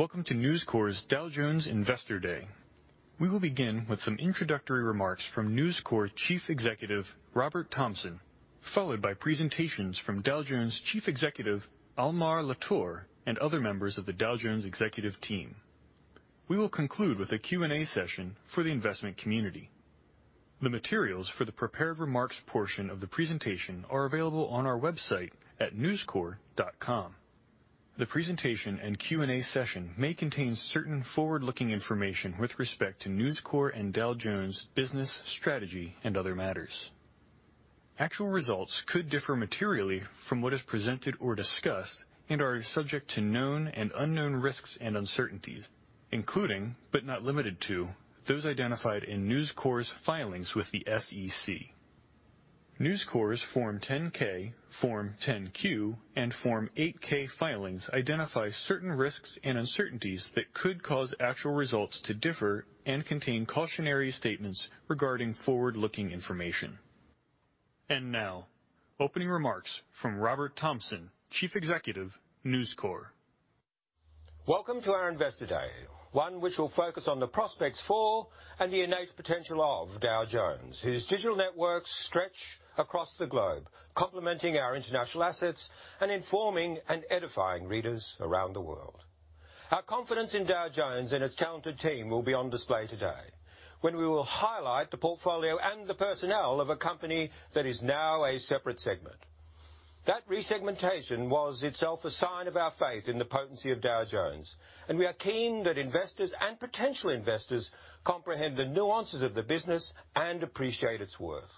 Hello, welcome to News Corp's Dow Jones Investor Day. We will begin with some introductory remarks from News Corp Chief Executive, Robert Thomson, followed by presentations from Dow Jones Chief Executive, Almar Latour, and other members of the Dow Jones executive team. We will conclude with a Q&A session for the investment community. The materials for the prepared remarks portion of the presentation are available on our website at newscorp.com. The presentation and Q&A session may contain certain forward-looking information with respect to News Corp and Dow Jones business strategy and other matters. Actual results could differ materially from what is presented or discussed and are subject to known and unknown risks and uncertainties, including, but not limited to, those identified in News Corp's filings with the SEC. News Corp's Form 10-K, Form 10-Q, and Form 8-K filings identify certain risks and uncertainties that could cause actual results to differ and contain cautionary statements regarding forward-looking information. Now, opening remarks from Robert Thomson, Chief Executive, News Corp. Welcome to our Investor Day, one which will focus on the prospects for and the innate potential of Dow Jones, whose digital networks stretch across the globe, complementing our international assets and informing and edifying readers around the world. Our confidence in Dow Jones and its talented team will be on display today when we will highlight the portfolio and the personnel of a company that is now a separate segment. That resegmentation was itself a sign of our faith in the potency of Dow Jones, and we are keen that investors and potential investors comprehend the nuances of the business and appreciate its worth.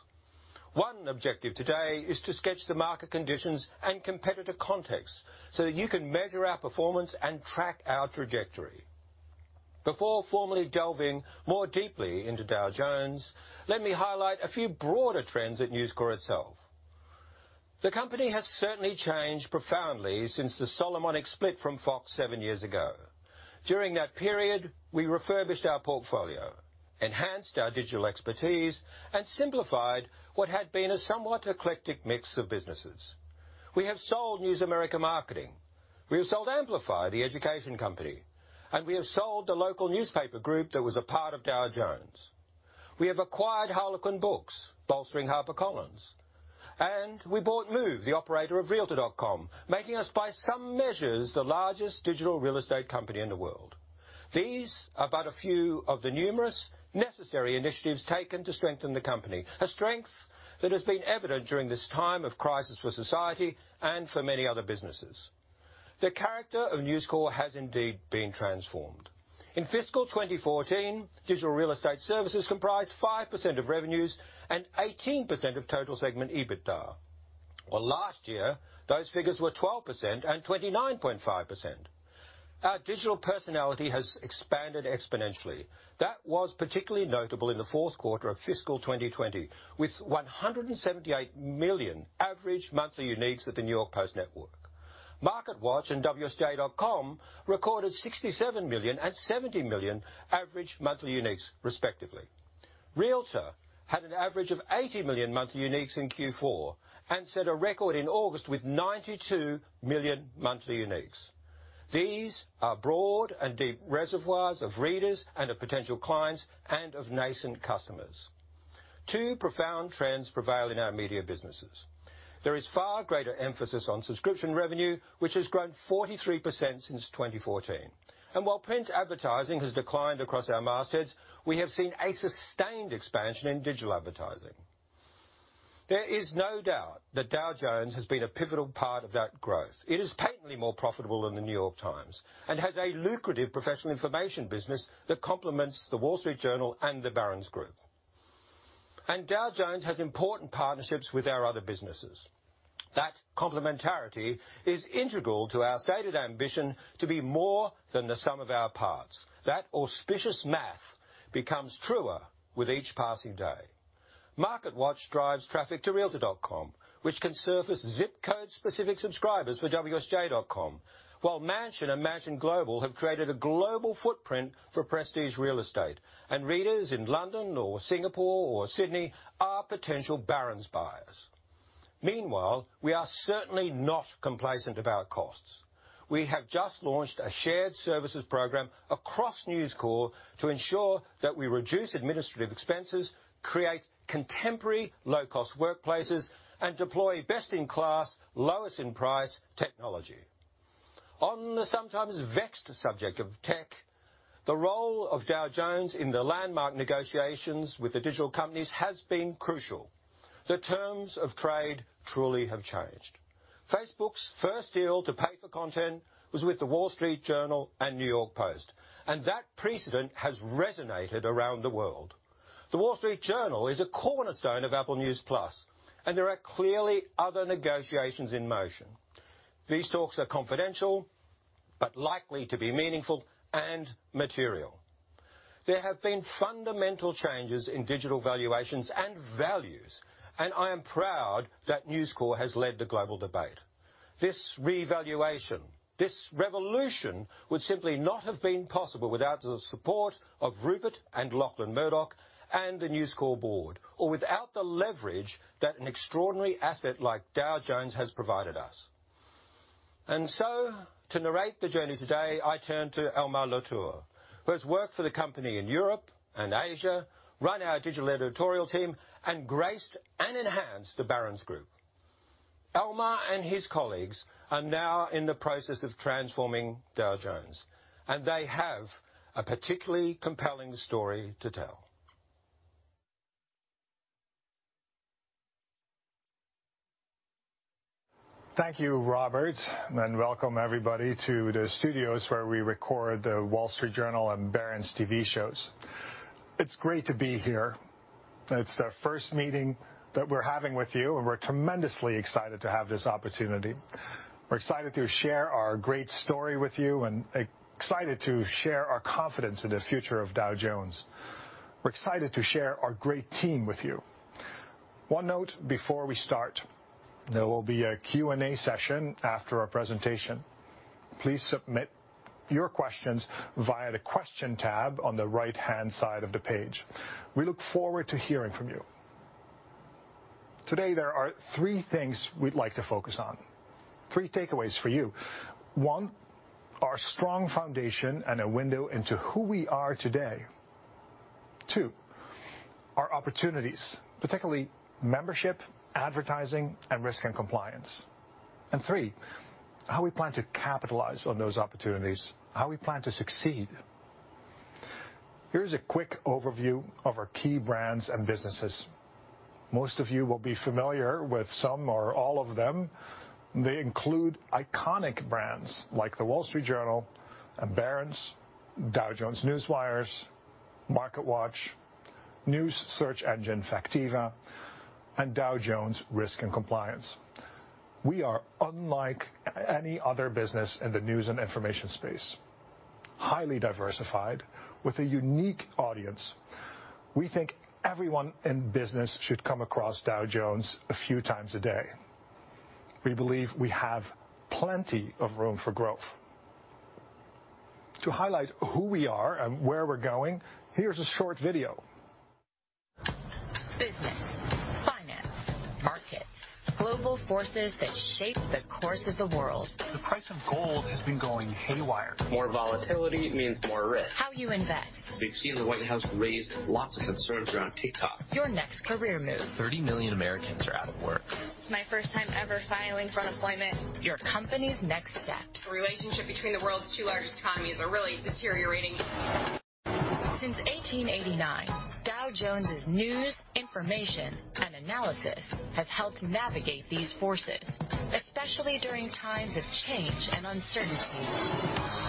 One objective today is to sketch the market conditions and competitor context so that you can measure our performance and track our trajectory. Before formally delving more deeply into Dow Jones, let me highlight a few broader trends at News Corp itself. The company has certainly changed profoundly since the Solomonic split from Fox seven years ago. During that period, we refurbished our portfolio, enhanced our digital expertise, and simplified what had been a somewhat eclectic mix of businesses. We have sold News America Marketing, we have sold Amplify, the education company, and we have sold the local newspaper group that was a part of Dow Jones. We have acquired Harlequin Books, bolstering HarperCollins, and we bought Move, the operator of realtor.com, making us, by some measures, the largest digital real estate company in the world. These are but a few of the numerous necessary initiatives taken to strengthen the company, a strength that has been evident during this time of crisis for society and for many other businesses. The character of News Corp has indeed been transformed. In fiscal 2014, digital real estate services comprised 5% of revenues and 18% of total segment EBITDA. Well, last year, those figures were 12% and 29.5%. Our digital personality has expanded exponentially. That was particularly notable in the fourth quarter of fiscal 2020, with 178 million average monthly uniques at the New York Post Network. MarketWatch and wsj.com recorded 67 million and 70 million average monthly uniques respectively. realtor.com had an average of 80 million monthly uniques in Q4 and set a record in August with 92 million monthly uniques. These are broad and deep reservoirs of readers and of potential clients, and of nascent customers. Two profound trends prevail in our media businesses. There is far greater emphasis on subscription revenue, which has grown 43% since 2014. While print advertising has declined across our mastheads, we have seen a sustained expansion in digital advertising. There is no doubt that Dow Jones has been a pivotal part of that growth. It is patently more profitable than The New York Times and has a lucrative Professional Information Business that complements The Wall Street Journal and the Barron's Group. Dow Jones has important partnerships with our other businesses. That complementarity is integral to our stated ambition to be more than the sum of our parts. That auspicious math becomes truer with each passing day. MarketWatch drives traffic to realtor.com, which can surface zip code-specific subscribers for wsj.com, while Mansion and Mansion Global have created a global footprint for prestige real estate, and readers in London or Singapore or Sydney are potential Barron's buyers. Meanwhile, we are certainly not complacent about costs. We have just launched a shared services program across News Corp to ensure that we reduce administrative expenses, create contemporary low-cost workplaces, and deploy best-in-class, lowest-in-price technology. On the sometimes vexed subject of tech, the role of Dow Jones in the landmark negotiations with the digital companies has been crucial. The terms of trade truly have changed. Facebook's first deal to pay for content was with The Wall Street Journal and New York Post, and that precedent has resonated around the world. The Wall Street Journal is a cornerstone of Apple News+, and there are clearly other negotiations in motion. These talks are confidential, but likely to be meaningful and material. There have been fundamental changes in digital valuations and values, and I am proud that News Corp has led the global debate. This revaluation, this revolution, would simply not have been possible without the support of Rupert and Lachlan Murdoch and the News Corp board, or without the leverage that an extraordinary asset like Dow Jones has provided us. To narrate the journey today, I turn to Almar Latour, who has worked for the company in Europe and Asia, run our digital editorial team, and graced and enhanced the Barron's Group. Almar and his colleagues are now in the process of transforming Dow Jones, and they have a particularly compelling story to tell. Thank you, Robert, and welcome everybody to the studios where we record The Wall Street Journal and Barron's TV shows. It's great to be here. It's the first meeting that we're having with you, and we're tremendously excited to have this opportunity. We're excited to share our great story with you and excited to share our confidence in the future of Dow Jones. We're excited to share our great team with you. One note before we start, there will be a Q&A session after our presentation. Please submit your questions via the question tab on the right-hand side of the page. We look forward to hearing from you. Today, there are three things we'd like to focus on, three takeaways for you. One, our strong foundation and a window into who we are today. Two, our opportunities, particularly membership, advertising, and Risk & Compliance. Three, how we plan to capitalize on those opportunities, how we plan to succeed. Here's a quick overview of our key brands and businesses. Most of you will be familiar with some or all of them. They include iconic brands like The Wall Street Journal and Barron's, Dow Jones Newswires, MarketWatch, news search engine Factiva, and Dow Jones Risk & Compliance. We are unlike any other business in the news and information space. Highly diversified with a unique audience. We think everyone in business should come across Dow Jones a few times a day. We believe we have plenty of room for growth. To highlight who we are and where we're going, here's a short video. Business, finance, markets, global forces that shape the course of the world. The price of gold has been going haywire. More volatility means more risk. How you invest. We've seen the White House raise lots of concerns around TikTok. Your next career move. 30 million Americans are out of work. It's my first time ever filing for unemployment. Your company's next steps. The relationship between the world's two largest economies are really deteriorating. Since 1889, Dow Jones's news, information, and analysis have helped navigate these forces, especially during times of change and uncertainty.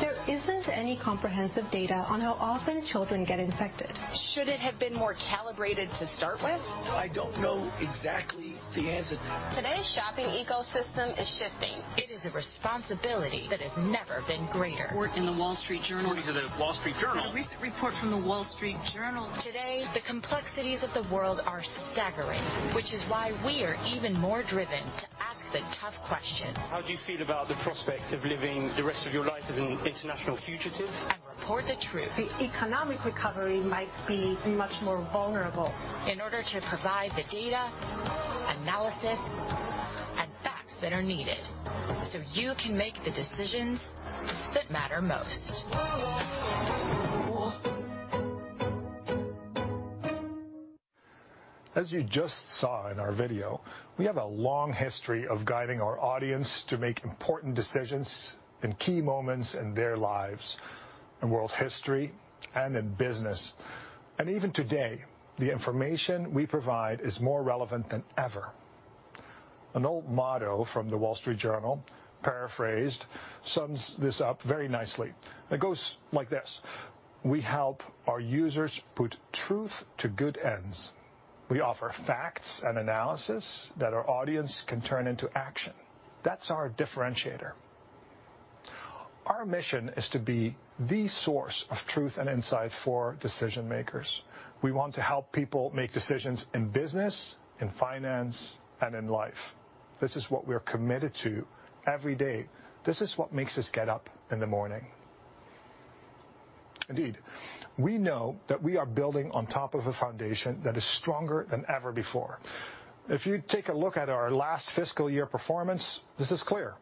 There isn't any comprehensive data on how often children get infected. Should it have been more calibrated to start with? I don't know exactly the answer. Today's shopping ecosystem is shifting. It is a responsibility that has never been greater. Report in The Wall Street Journal. According to The Wall Street Journal. A recent report from The Wall Street Journal. Today, the complexities of the world are staggering, which is why we are even more driven to ask the tough questions. How do you feel about the prospect of living the rest of your life as an international fugitive? Report the truth. The economic recovery might be much more vulnerable. In order to provide the data, analysis, and facts that are needed, so you can make the decisions that matter most. As you just saw in our video, we have a long history of guiding our audience to make important decisions in key moments in their lives, in world history, and in business. Even today, the information we provide is more relevant than ever. An old motto from The Wall Street Journal, paraphrased, sums this up very nicely. It goes like this, "We help our users put truth to good ends. We offer facts and analysis that our audience can turn into action." That's our differentiator. Our mission is to be the source of truth and insight for decision-makers. We want to help people make decisions in business, in finance, and in life. This is what we're committed to every day. This is what makes us get up in the morning. Indeed, we know that we are building on top of a foundation that is stronger than ever before. If you take a look at our last fiscal year performance, this is clear.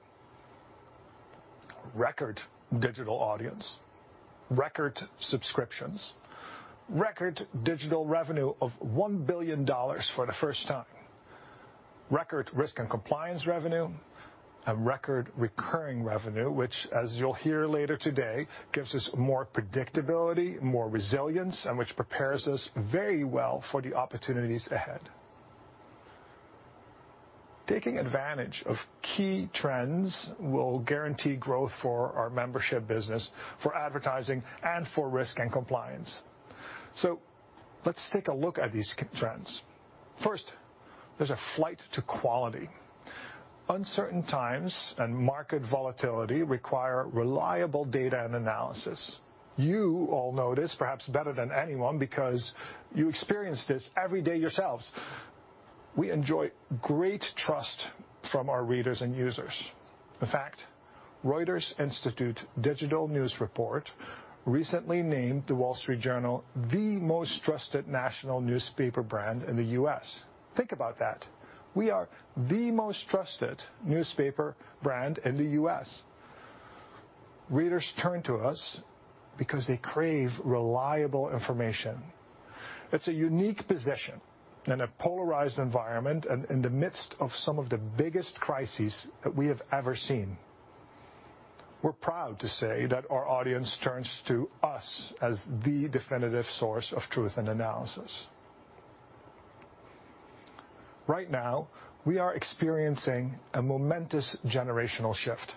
Record digital audience, record subscriptions, record digital revenue of $1 billion for the first time, record risk and compliance revenue, and record recurring revenue, which as you'll hear later today, gives us more predictability, more resilience, and which prepares us very well for the opportunities ahead. Taking advantage of key trends will guarantee growth for our membership business, for advertising, and for risk and compliance. Let's take a look at these trends. First, there's a flight to quality. Uncertain times and market volatility require reliable data and analysis. You all know this perhaps better than anyone because you experience this every day yourselves. We enjoy great trust from our readers and users. In fact, Reuters Institute Digital News Report recently named The Wall Street Journal the most trusted national newspaper brand in the U.S. Think about that. We are the most trusted newspaper brand in the U.S. Readers turn to us because they crave reliable information. It's a unique position in a polarized environment and in the midst of some of the biggest crises that we have ever seen. We're proud to say that our audience turns to us as the definitive source of truth and analysis. Right now, we are experiencing a momentous generational shift.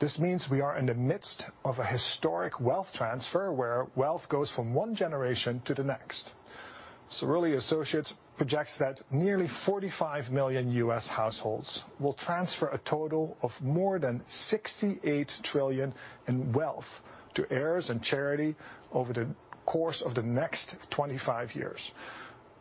This means we are in the midst of a historic wealth transfer, where wealth goes from one generation to the next. Cerulli Associates projects that nearly 45 million U.S. households will transfer a total of more than $68 trillion in wealth to heirs and charity over the course of the next 25 years.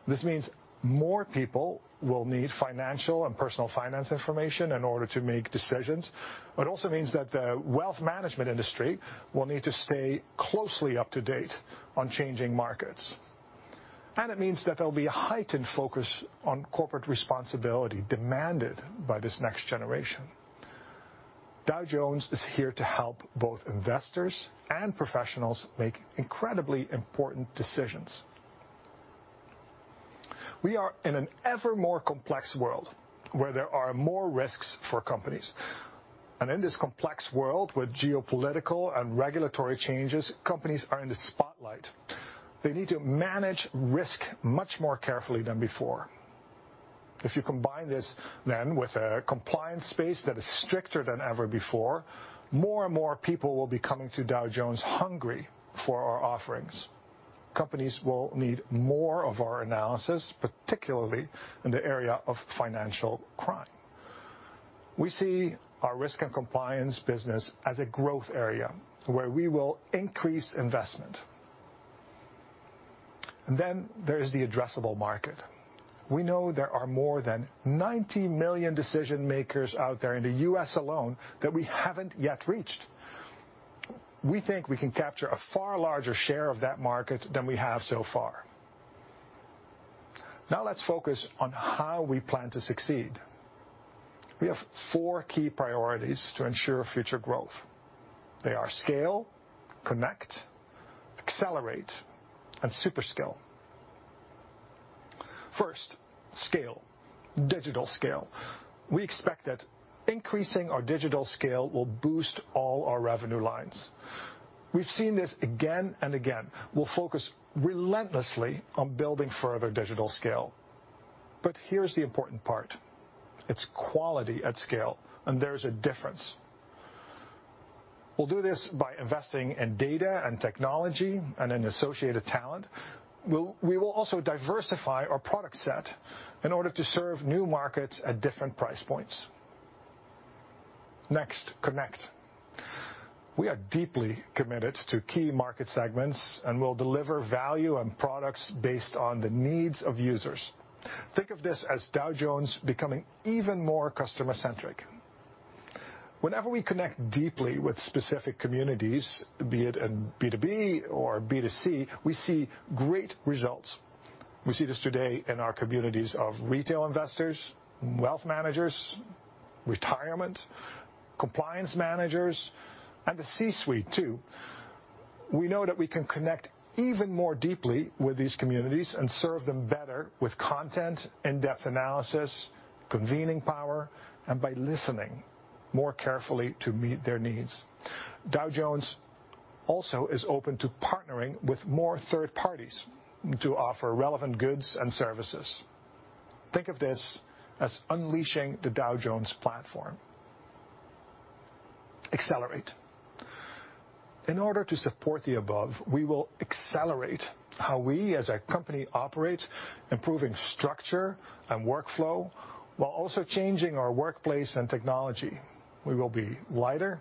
This means more people will need financial and personal finance information in order to make decisions. It also means that the wealth management industry will need to stay closely up to date on changing markets. It means that there'll be a heightened focus on corporate responsibility demanded by this next generation. Dow Jones is here to help both investors and professionals make incredibly important decisions. We are in an ever more complex world where there are more risks for companies. In this complex world with geopolitical and regulatory changes, companies are in the spotlight. They need to manage risk much more carefully than before. If you combine this then with a compliance space that is stricter than ever before, more and more people will be coming to Dow Jones hungry for our offerings. Companies will need more of our analysis, particularly in the area of financial crime. We see our risk and compliance business as a growth area where we will increase investment. There's the addressable market. We know there are more than 90 million decision makers out there in the U.S. alone that we haven't yet reached. We think we can capture a far larger share of that market than we have so far. Let's focus on how we plan to succeed. We have four key priorities to ensure future growth. They are scale, connect, accelerate, and super skill. First, scale. Digital scale. We expect that increasing our digital scale will boost all our revenue lines. We've seen this again and again. We'll focus relentlessly on building further digital scale. Here's the important part. It's quality at scale, and there's a difference. We'll do this by investing in data and technology and in associated talent. We will also diversify our product set in order to serve new markets at different price points. Next, connect. We are deeply committed to key market segments and will deliver value and products based on the needs of users. Think of this as Dow Jones becoming even more customer centric. Whenever we connect deeply with specific communities, be it in B2B or B2C, we see great results. We see this today in our communities of retail investors, wealth managers, retirement, compliance managers, and the C-suite too. We know that we can connect even more deeply with these communities and serve them better with content, in-depth analysis, convening power, and by listening more carefully to meet their needs. Dow Jones also is open to partnering with more third parties to offer relevant goods and services. Think of this as unleashing the Dow Jones platform. Accelerate. In order to support the above, we will accelerate how we as a company operate, improving structure and workflow while also changing our workplace and technology. We will be lighter,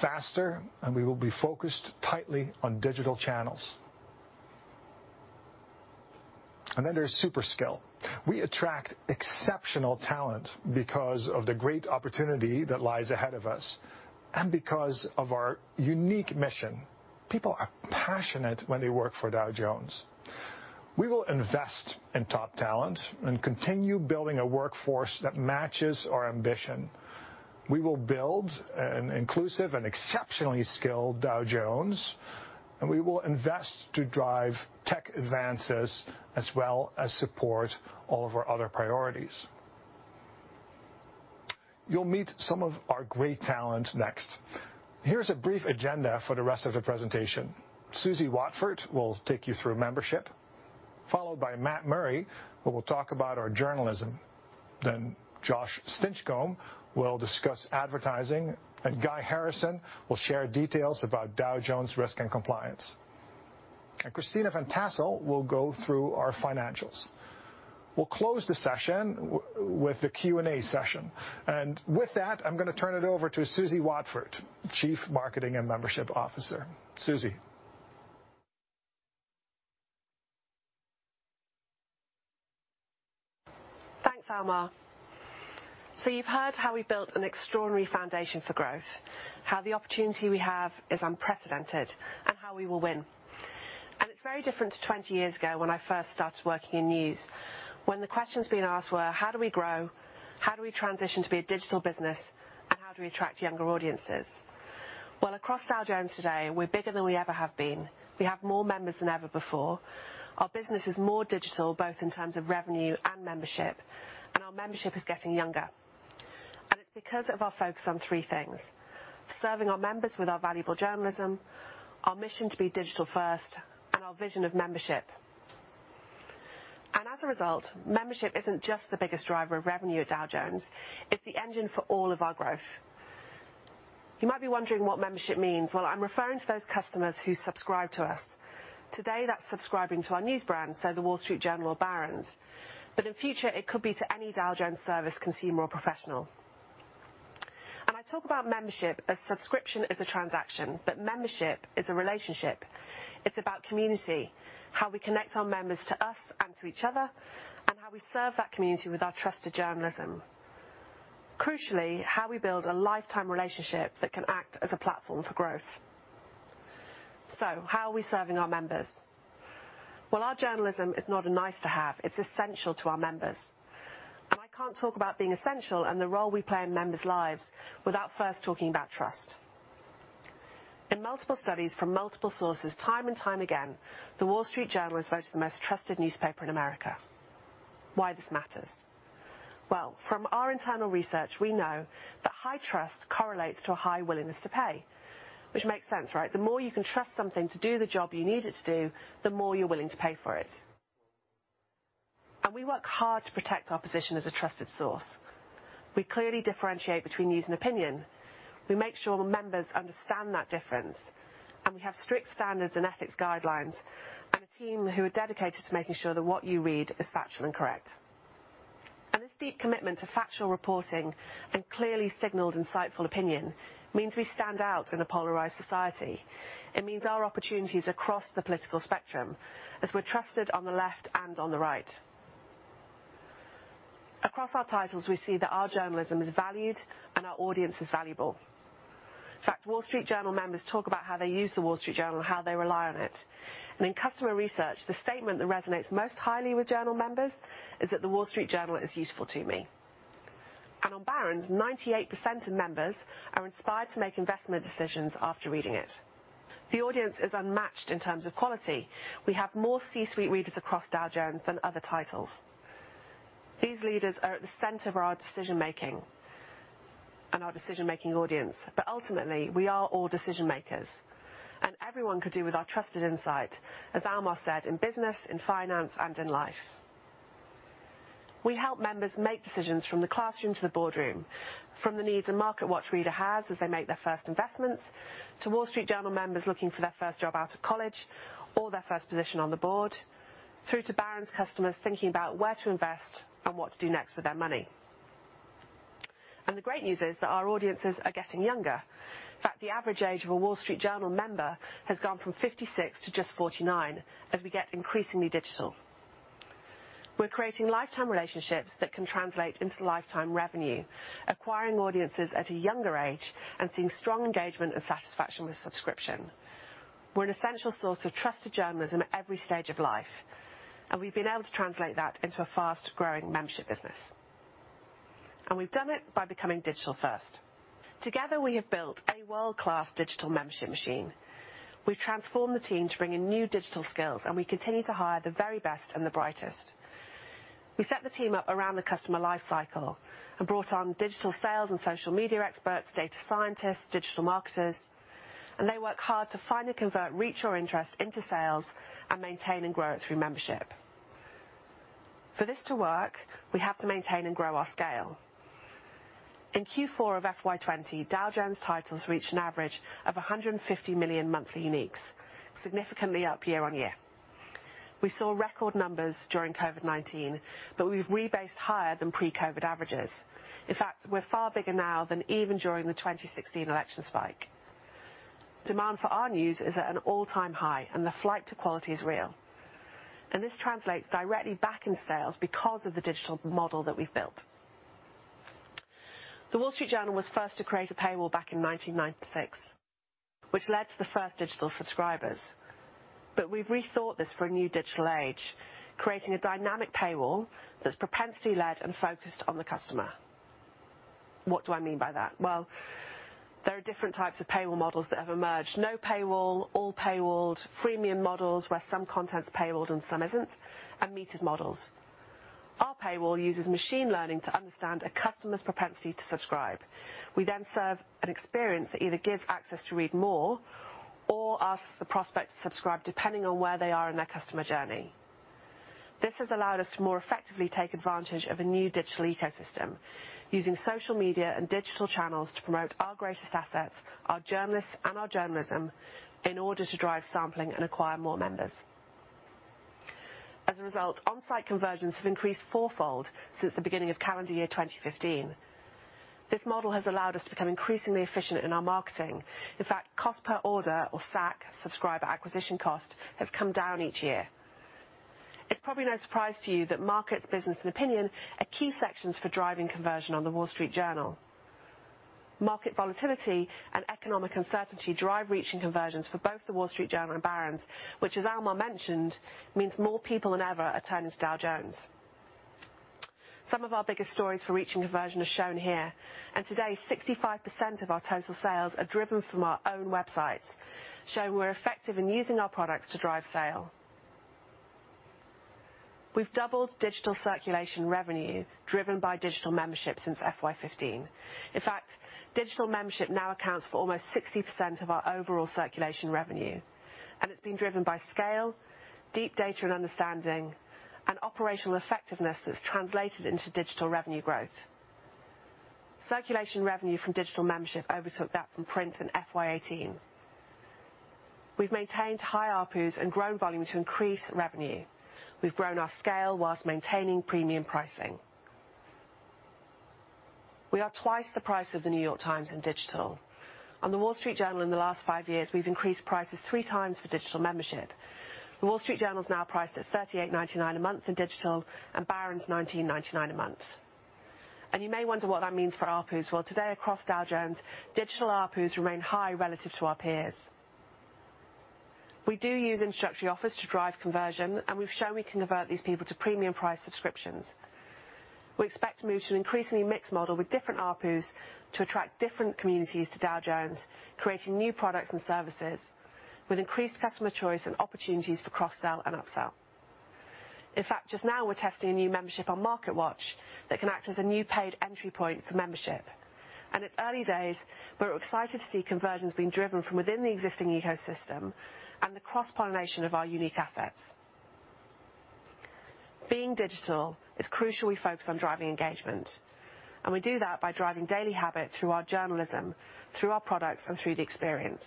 faster, and we will be focused tightly on digital channels. There's super skill. We attract exceptional talent because of the great opportunity that lies ahead of us and because of our unique mission. People are passionate when they work for Dow Jones. We will invest in top talent and continue building a workforce that matches our ambition. We will build an inclusive and exceptionally skilled Dow Jones, and we will invest to drive tech advances as well as support all of our other priorities. You'll meet some of our great talent next. Here's a brief agenda for the rest of the presentation. Suzi Watford will take you through membership, followed by Matt Murray, who will talk about our journalism. Josh Stinchcomb will discuss advertising, and Guy Harrison will share details about Dow Jones Risk & Compliance. Christina Van Tassell will go through our financials. We'll close the session with a Q&A session. With that, I'm going to turn it over to Suzi Watford, Chief Marketing and Membership Officer. Suzi. Thanks, Almar. You've heard how we built an extraordinary foundation for growth, how the opportunity we have is unprecedented, and how we will win. It's very different to 20 years ago when I first started working in news, when the questions being asked were, how do we grow? How do we transition to be a digital business? How do we attract younger audiences? Across Dow Jones today, we're bigger than we ever have been. We have more members than ever before. Our business is more digital, both in terms of revenue and membership, and our membership is getting younger. It's because of our focus on three things, serving our members with our valuable journalism, our mission to be digital first, and our vision of membership. As a result, membership isn't just the biggest driver of revenue at Dow Jones, it's the engine for all of our growth. You might be wondering what membership means. I'm referring to those customers who subscribe to us. Today, that's subscribing to our news brand, so The Wall Street Journal or Barron's. In future, it could be to any Dow Jones service consumer or professional. I talk about membership as subscription is a transaction, but membership is a relationship. It's about community, how we connect our members to us and to each other, and how we serve that community with our trusted journalism. Crucially, how we build a lifetime relationship that can act as a platform for growth. How are we serving our members? Our journalism is not a nice to have, it's essential to our members. I can't talk about being essential and the role we play in members' lives without first talking about trust. In multiple studies from multiple sources, time and time again, The Wall Street Journal is voted the most trusted newspaper in America. Why this matters? Well, from our internal research, we know that high trust correlates to a high willingness to pay, which makes sense, right? The more you can trust something to do the job you need it to do, the more you're willing to pay for it. We work hard to protect our position as a trusted source. We clearly differentiate between news and opinion. We make sure the members understand that difference, and we have strict standards and ethics guidelines, and a team who are dedicated to making sure that what you read is factual and correct. This deep commitment to factual reporting and clearly signaled insightful opinion means we stand out in a polarized society. It means our opportunities across the political spectrum, as we're trusted on the left and on the right. Across our titles, we see that our journalism is valued and our audience is valuable. In fact, The Wall Street Journal members talk about how they use The Wall Street Journal and how they rely on it. In customer research, the statement that resonates most highly with Journal members is that The Wall Street Journal is useful to me. On Barron's, 98% of members are inspired to make investment decisions after reading it. The audience is unmatched in terms of quality. We have more C-suite readers across Dow Jones than other titles. These leaders are at the center of our decision-making and our decision-making audience. Ultimately, we are all decision makers, and everyone could do with our trusted insight, as Almar said, in business, in finance, and in life. We help members make decisions from the classroom to the boardroom, from the needs a MarketWatch reader has as they make their first investments, to Wall Street Journal members looking for their first job out of college or their first position on the board, through to Barron's customers thinking about where to invest and what to do next with their money. And the great news is that our audiences are getting younger. In fact, the average age of a Wall Street Journal member has gone from 56 to just 49 as we get increasingly digital. We're creating lifetime relationships that can translate into lifetime revenue, acquiring audiences at a younger age, and seeing strong engagement and satisfaction with subscription. We're an essential source of trusted journalism at every stage of life, and we've been able to translate that into a fast-growing membership business. We've done it by becoming digital first. Together, we have built a world-class digital membership machine. We've transformed the team to bring in new digital skills, and we continue to hire the very best and the brightest. We set the team up around the customer life cycle and brought on digital sales and social media experts, data scientists, digital marketers, and they work hard to find and convert, reach our interest into sales, and maintain and grow it through membership. For this to work, we have to maintain and grow our scale. In Q4 of FY 2020, Dow Jones titles reached an average of 150 million monthly uniques, significantly up year-on-year. We saw record numbers during COVID-19, but we've rebased higher than pre-COVID averages. In fact, we're far bigger now than even during the 2016 election spike. Demand for our news is at an all-time high, and the flight to quality is real. This translates directly back into sales because of the digital model that we've built. The Wall Street Journal was first to create a paywall back in 1996, which led to the first digital subscribers. We've rethought this for a new digital age, creating a dynamic paywall that's propensity-led and focused on the customer. What do I mean by that? Well, there are different types of paywall models that have emerged. No paywall, all paywalled, freemium models, where some content is paywalled and some isn't, and metered models. Our paywall uses machine learning to understand a customer's propensity to subscribe. We then serve an experience that either gives access to read more or asks the prospect to subscribe depending on where they are in their customer journey. This has allowed us to more effectively take advantage of a new digital ecosystem using social media and digital channels to promote our greatest assets, our journalists and our journalism, in order to drive sampling and acquire more members. As a result, on-site conversions have increased fourfold since the beginning of calendar year 2015. This model has allowed us to become increasingly efficient in our marketing. In fact, cost per order or SAC, subscriber acquisition cost, have come down each year. It's probably no surprise to you that markets, business, and opinion are key sections for driving conversion on The Wall Street Journal. Market volatility and economic uncertainty drive reach and conversions for both The Wall Street Journal and Barron's, which, as Almar mentioned, means more people than ever are turning to Dow Jones. Today, 65% of our total sales are driven from our own websites, showing we're effective in using our products to drive sale. We've doubled digital circulation revenue driven by digital membership since FY 2015. In fact, digital membership now accounts for almost 60% of our overall circulation revenue, and it's been driven by scale, deep data and understanding, and operational effectiveness that's translated into digital revenue growth. Circulation revenue from digital membership overtook that from print in FY 2018. We've maintained high ARPUs and grown volume to increase revenue. We've grown our scale while maintaining premium pricing. We are twice the price of The New York Times in digital. On The Wall Street Journal in the last five years, we've increased prices three times for digital membership. The Wall Street Journal is now priced at $38.99 a month in digital, and Barron's $19.99 a month. You may wonder what that means for ARPUs. Well, today across Dow Jones, digital ARPUs remain high relative to our peers. We do use introductory offers to drive conversion, and we've shown we can convert these people to premium price subscriptions. We expect to move to an increasingly mixed model with different ARPUs to attract different communities to Dow Jones, creating new products and services with increased customer choice and opportunities for cross-sell and upsell. Just now we're testing a new membership on MarketWatch that can act as a new paid entry point for membership. It's early days, but we're excited to see conversions being driven from within the existing ecosystem and the cross-pollination of our unique assets. Being digital, it's crucial we focus on driving engagement, and we do that by driving daily habit through our journalism, through our products, and through the experience.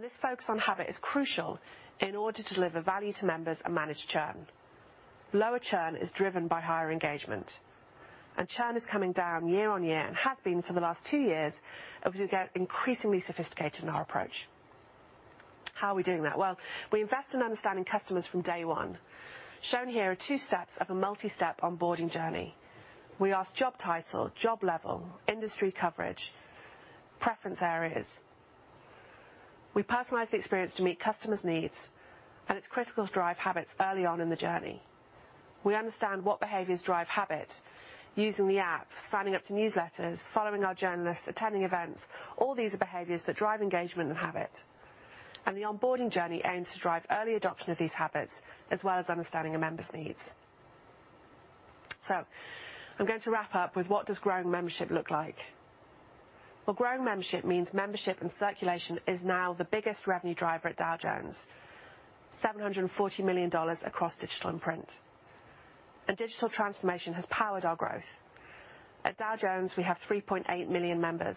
This focus on habit is crucial in order to deliver value to members and manage churn. Lower churn is driven by higher engagement, and churn is coming down year-over-year, and has been for the last two years as we get increasingly sophisticated in our approach. How are we doing that? Well, we invest in understanding customers from day one. Shown here are two steps of a multi-step onboarding journey. We ask job title, job level, industry coverage, preference areas. We personalize the experience to meet customers' needs, it's critical to drive habits early on in the journey. We understand what behaviors drive habit. Using the app, signing up to newsletters, following our journalists, attending events, all these are behaviors that drive engagement and habit, and the onboarding journey aims to drive early adoption of these habits, as well as understanding a member's needs. I'm going to wrap up with, what does growing membership look like? Well, growing membership means membership and circulation is now the biggest revenue driver at Dow Jones. $740 million across digital and print. Digital transformation has powered our growth. At Dow Jones, we have 3.8 million members,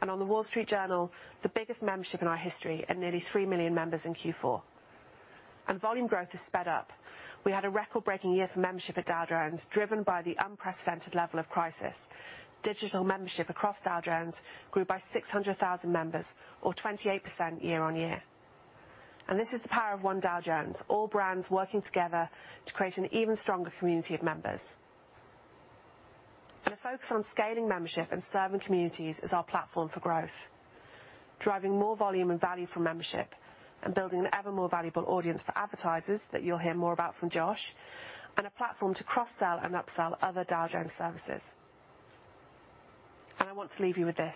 and on The Wall Street Journal, the biggest membership in our history at nearly 3 million members in Q4. Volume growth has sped up. We had a record-breaking year for membership at Dow Jones, driven by the unprecedented level of crisis. Digital membership across Dow Jones grew by 600,000 members or 28% year on year. This is the power of one Dow Jones, all brands working together to create an even stronger community of members. A focus on scaling membership and serving communities is our platform for growth, driving more volume and value from membership, and building an ever more valuable audience for advertisers that you'll hear more about from Josh, and a platform to cross-sell and upsell other Dow Jones services. I want to leave you with this,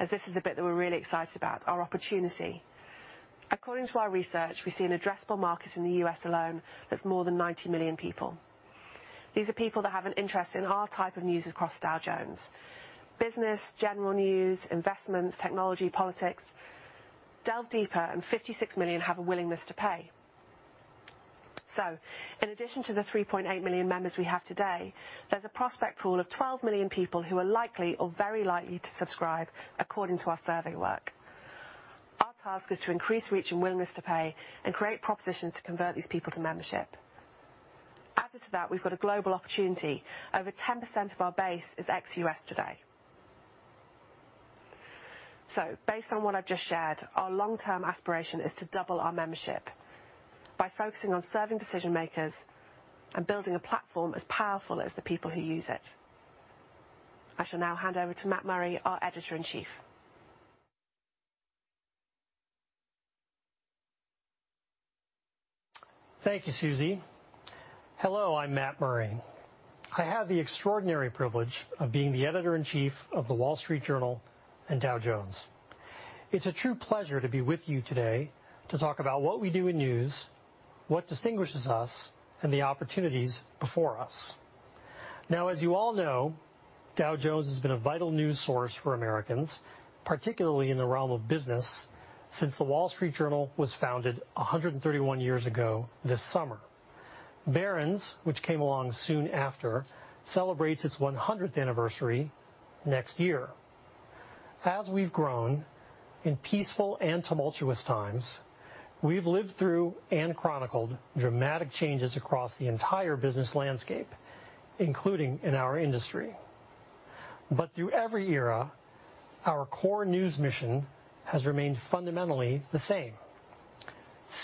as this is the bit that we're really excited about, our opportunity. According to our research, we see an addressable market in the U.S. alone that's more than 90 million people. These are people that have an interest in our type of news across Dow Jones. Business, general news, investments, technology, politics. Delve deeper. 56 million have a willingness to pay. In addition to the 3.8 million members we have today, there's a prospect pool of 12 million people who are likely or very likely to subscribe, according to our survey work. Our task is to increase reach and willingness to pay and create propositions to convert these people to membership. Added to that, we've got a global opportunity. Over 10% of our base is ex-U.S. today. Based on what I've just shared, our long-term aspiration is to double our membership by focusing on serving decision-makers and building a platform as powerful as the people who use it. I shall now hand over to Matt Murray, our Editor in Chief. Thank you, Suzi. Hello, I'm Matt Murray. I have the extraordinary privilege of being the editor-in-chief of The Wall Street Journal and Dow Jones. It's a true pleasure to be with you today to talk about what we do in news, what distinguishes us, and the opportunities before us. Now, as you all know, Dow Jones has been a vital news source for Americans, particularly in the realm of business, since The Wall Street Journal was founded 131 years ago this summer. Barron's, which came along soon after, celebrates its 100th anniversary next year. As we've grown in peaceful and tumultuous times, we've lived through and chronicled dramatic changes across the entire business landscape, including in our industry. Through every era, our core news mission has remained fundamentally the same.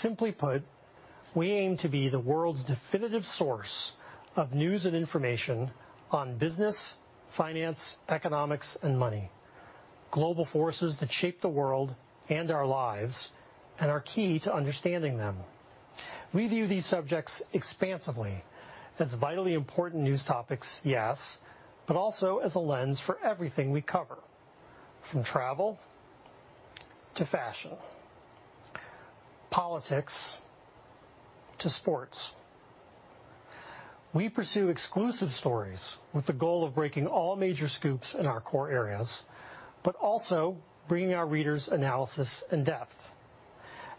Simply put, we aim to be the world's definitive source of news and information on business, finance, economics, and money, global forces that shape the world and our lives and are key to understanding them. We view these subjects expansively as vitally important news topics, yes, but also as a lens for everything we cover, from travel to fashion, politics to sports. We pursue exclusive stories with the goal of breaking all major scoops in our core areas, but also bringing our readers analysis and depth.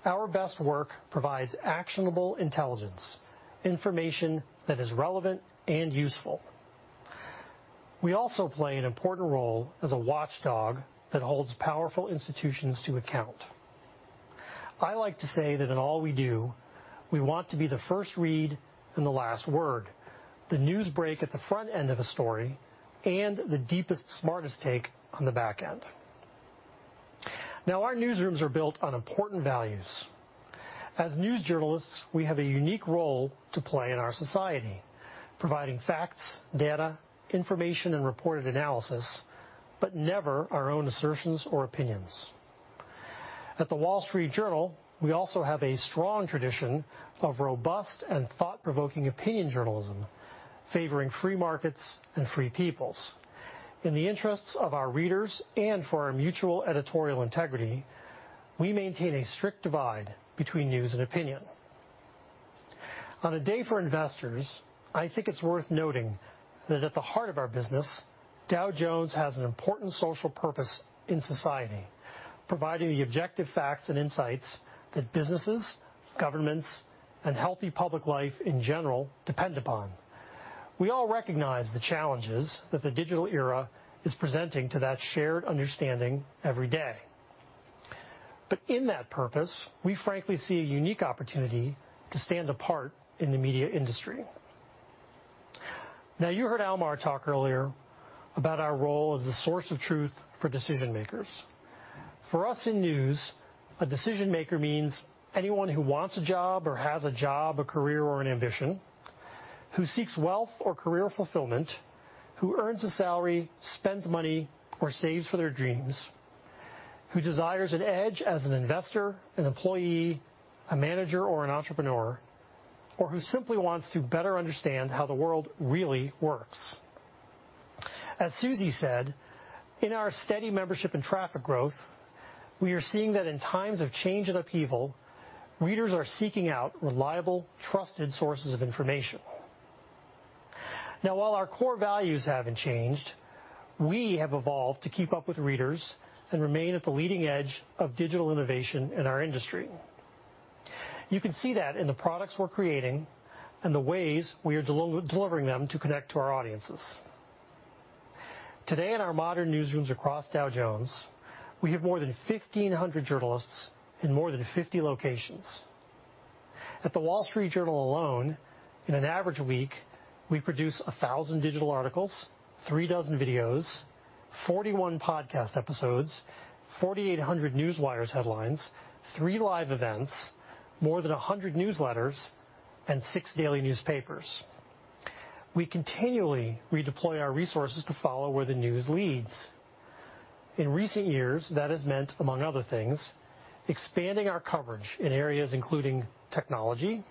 Our best work provides actionable intelligence, information that is relevant and useful. We also play an important role as a watchdog that holds powerful institutions to account. I like to say that in all we do, we want to be the first read and the last word, the news break at the front end of a story, and the deepest, smartest take on the back end. Our newsrooms are built on important values. As news journalists, we have a unique role to play in our society, providing facts, data, information, and reported analysis, but never our own assertions or opinions. At The Wall Street Journal, we also have a strong tradition of robust and thought-provoking opinion journalism favoring free markets and free peoples. In the interests of our readers and for our mutual editorial integrity, we maintain a strict divide between news and opinion. On a day for investors, I think it's worth noting that at the heart of our business, Dow Jones has an important social purpose in society, providing the objective facts and insights that businesses, governments, and healthy public life in general depend upon. We all recognize the challenges that the digital era is presenting to that shared understanding every day. In that purpose, we frankly see a unique opportunity to stand apart in the media industry. You heard Almar talk earlier about our role as the source of truth for decision-makers. For us in news, a decision-maker means anyone who wants a job or has a job, a career, or an ambition, who seeks wealth or career fulfillment, who earns a salary, spends money, or saves for their dreams, who desires an edge as an investor, an employee, a manager, or an entrepreneur, or who simply wants to better understand how the world really works. As Suzi said, in our steady membership and traffic growth, we are seeing that in times of change and upheaval, readers are seeking out reliable, trusted sources of information. While our core values haven't changed, we have evolved to keep up with readers and remain at the leading edge of digital innovation in our industry. You can see that in the products we're creating and the ways we are delivering them to connect to our audiences. Today in our modern newsrooms across Dow Jones, we have more than 1,500 journalists in more than 50 locations. At The Wall Street Journal alone, in an average week, we produce 1,000 digital articles, 36 videos, 41 podcast episodes, 4,800 Newswires headlines, 3 live events, more than 100 newsletters, and 6 daily newspapers. We continually redeploy our resources to follow where the news leads. In recent years, that has meant, among other things, expanding our coverage in areas including technology,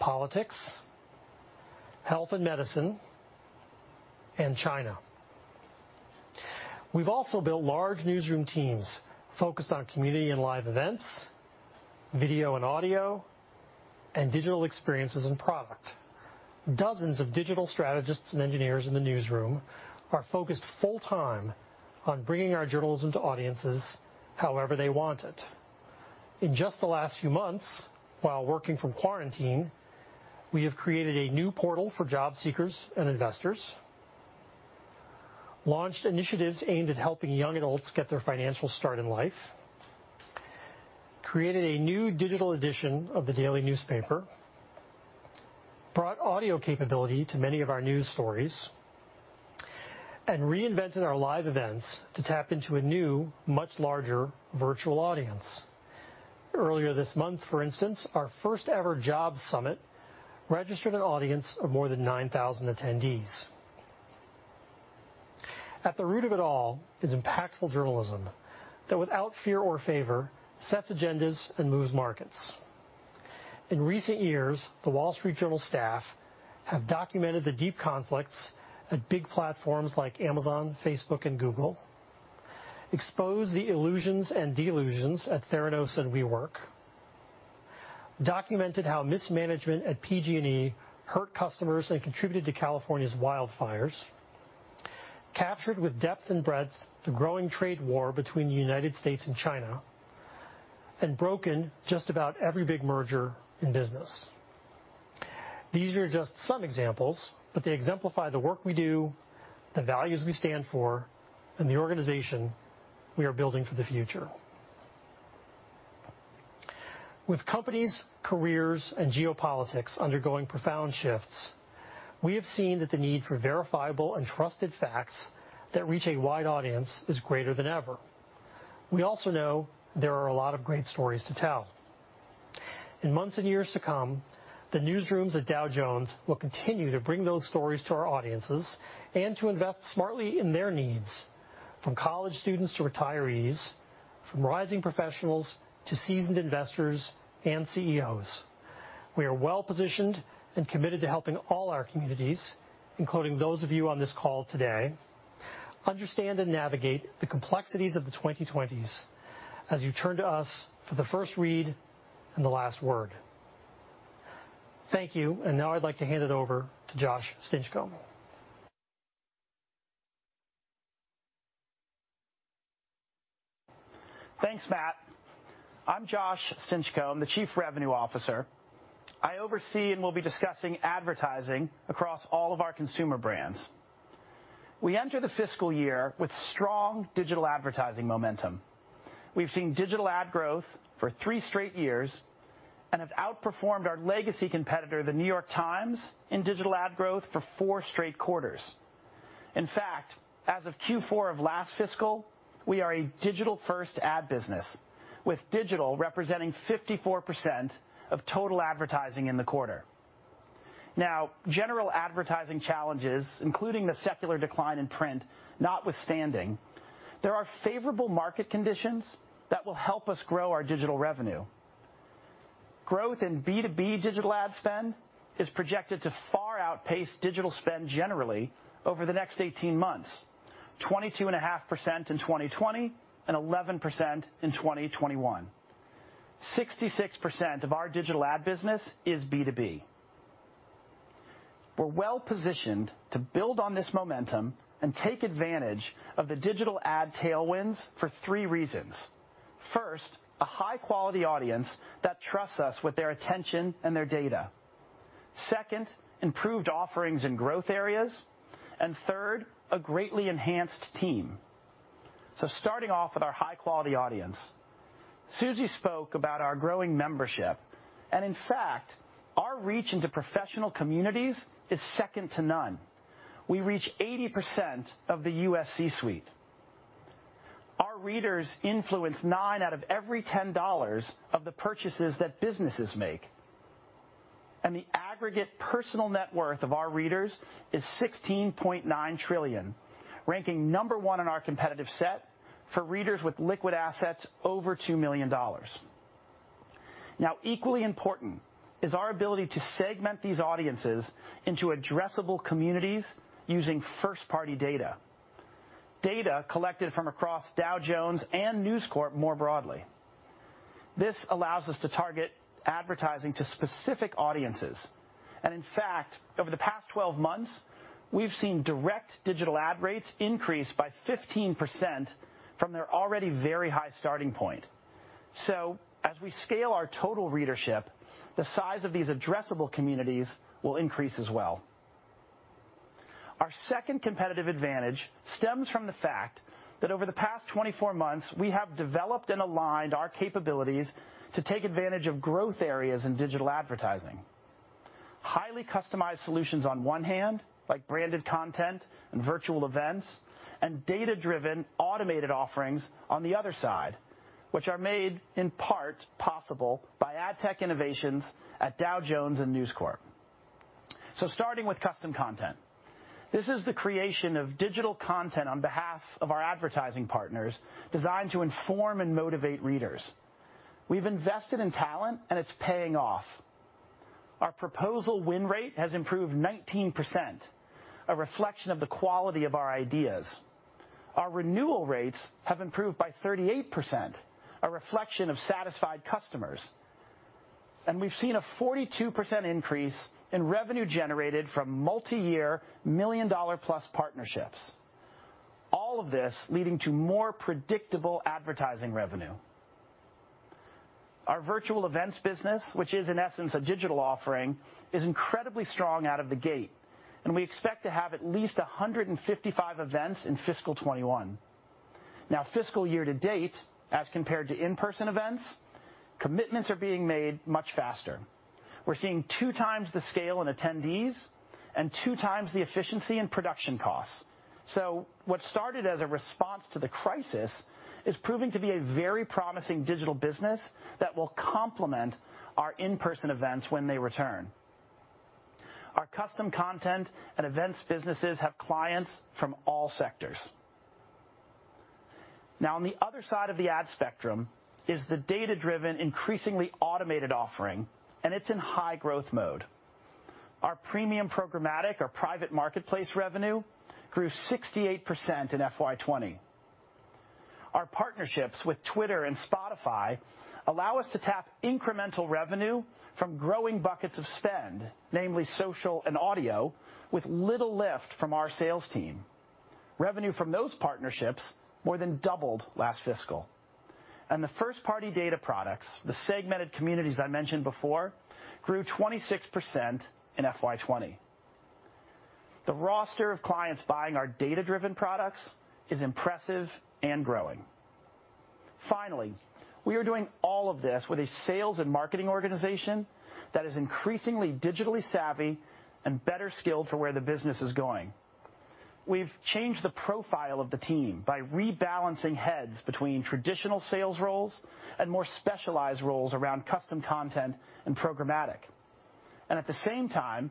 politics, health and medicine, and China. We've also built large newsroom teams focused on community and live events, video and audio, and digital experiences and product. Dozens of digital strategists and engineers in the newsroom are focused full-time on bringing our journalism to audiences however they want it. In just the last few months, while working from quarantine, we have created a new portal for job seekers and investors, launched initiatives aimed at helping young adults get their financial start in life, created a new digital edition of the daily newspaper, brought audio capability to many of our news stories, and reinvented our live events to tap into a new, much larger virtual audience. Earlier this month, for instance, our first-ever Job Summit registered an audience of more than 9,000 attendees. At the root of it all is impactful journalism that without fear or favor sets agendas and moves markets. In recent years, The Wall Street Journal staff have documented the deep conflicts at big platforms like Amazon, Facebook, and Google, exposed the illusions and delusions at Theranos and WeWork, documented how mismanagement at PG&E hurt customers and contributed to California's wildfires, captured with depth and breadth the growing trade war between the United States and China, and broken just about every big merger in business. These are just some examples, but they exemplify the work we do, the values we stand for, and the organization we are building for the future. With companies, careers, and geopolitics undergoing profound shifts, we have seen that the need for verifiable and trusted facts that reach a wide audience is greater than ever. We also know there are a lot of great stories to tell. In months and years to come, the newsrooms at Dow Jones will continue to bring those stories to our audiences and to invest smartly in their needs, from college students to retirees, from rising professionals to seasoned investors and CEOs. We are well-positioned and committed to helping all our communities, including those of you on this call today, understand and navigate the complexities of the 2020s as you turn to us for the first read and the last word. Thank you. Now I'd like to hand it over to Josh Stinchcomb. Thanks, Matt. I'm Josh Stinchcomb, the Chief Revenue Officer. I oversee and will be discussing advertising across all of our consumer brands. We enter the fiscal year with strong digital advertising momentum. We've seen digital ad growth for three straight years and have outperformed our legacy competitor, The New York Times, in digital ad growth for four straight quarters. In fact, as of Q4 of last fiscal, we are a digital-first ad business, with digital representing 54% of total advertising in the quarter. General advertising challenges, including the secular decline in print notwithstanding, there are favorable market conditions that will help us grow our digital revenue. Growth in B2B digital ad spend is projected to far outpace digital spend generally over the next 18 months, 22.5% in 2020 and 11% in 2021. 66% of our digital ad business is B2B. We're well-positioned to build on this momentum and take advantage of the digital ad tailwinds for three reasons. First, a high-quality audience that trusts us with their attention and their data. Second, improved offerings in growth areas. Third, a greatly enhanced team. Starting off with our high-quality audience. Suzi spoke about our growing membership, in fact, our reach into professional communities is second to none. We reach 80% of the U.S. C-suite. Our readers influence $9 out of every $10 of the purchases that businesses make. The aggregate personal net worth of our readers is $16.9 trillion, ranking number one in our competitive set for readers with liquid assets over $2 million. Equally important is our ability to segment these audiences into addressable communities using first-party data collected from across Dow Jones and News Corp more broadly. This allows us to target advertising to specific audiences. In fact, over the past 12 months, we've seen direct digital ad rates increase by 15% from their already very high starting point. As we scale our total readership, the size of these addressable communities will increase as well. Our second competitive advantage stems from the fact that over the past 24 months, we have developed and aligned our capabilities to take advantage of growth areas in digital advertising. Highly customized solutions on one hand, like branded content and virtual events, and data-driven automated offerings on the other side, which are made in part possible by ad tech innovations at Dow Jones and News Corp. Starting with custom content. This is the creation of digital content on behalf of our advertising partners designed to inform and motivate readers. We've invested in talent, and it's paying off. Our proposal win rate has improved 19%, a reflection of the quality of our ideas. Our renewal rates have improved by 38%, a reflection of satisfied customers. We've seen a 42% increase in revenue generated from multi-year, million-dollar-plus partnerships. All of this leading to more predictable advertising revenue. Our virtual events business, which is in essence a digital offering, is incredibly strong out of the gate, and we expect to have at least 155 events in fiscal 2021. Fiscal year to date, as compared to in-person events, commitments are being made much faster. We're seeing two times the scale in attendees and two times the efficiency in production costs. What started as a response to the crisis is proving to be a very promising digital business that will complement our in-person events when they return. Our custom content and events businesses have clients from all sectors. On the other side of the ad spectrum is the data-driven, increasingly automated offering, and it's in high growth mode. Our premium programmatic, our private marketplace revenue, grew 68% in FY 2020. Our partnerships with Twitter and Spotify allow us to tap incremental revenue from growing buckets of spend, namely social and audio, with little lift from our sales team. Revenue from those partnerships more than doubled last fiscal. The first-party data products, the segmented communities I mentioned before, grew 26% in FY 2020. The roster of clients buying our data-driven products is impressive and growing. We are doing all of this with a sales and marketing organization that is increasingly digitally savvy and better skilled for where the business is going. We've changed the profile of the team by rebalancing heads between traditional sales roles and more specialized roles around custom content and programmatic. At the same time,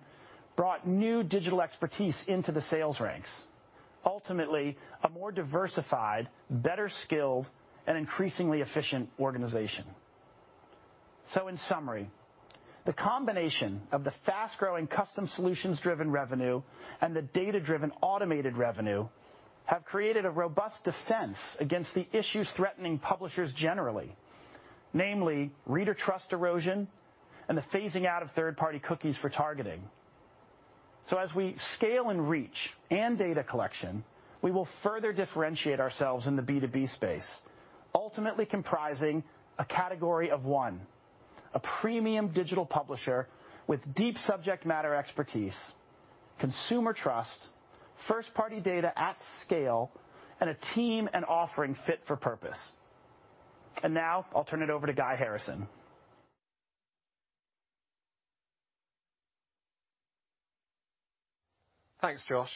brought new digital expertise into the sales ranks. Ultimately, a more diversified, better skilled, and increasingly efficient organization. In summary, the combination of the fast-growing custom solutions-driven revenue and the data-driven automated revenue have created a robust defense against the issues threatening publishers generally, namely, reader trust erosion and the phasing out of third-party cookies for targeting. As we scale and reach and data collection, we will further differentiate ourselves in the B2B space, ultimately comprising a category of one, a premium digital publisher with deep subject matter expertise, consumer trust, first-party data at scale, and a team and offering fit for purpose. Now I'll turn it over to Guy Harrison. Thanks, Josh.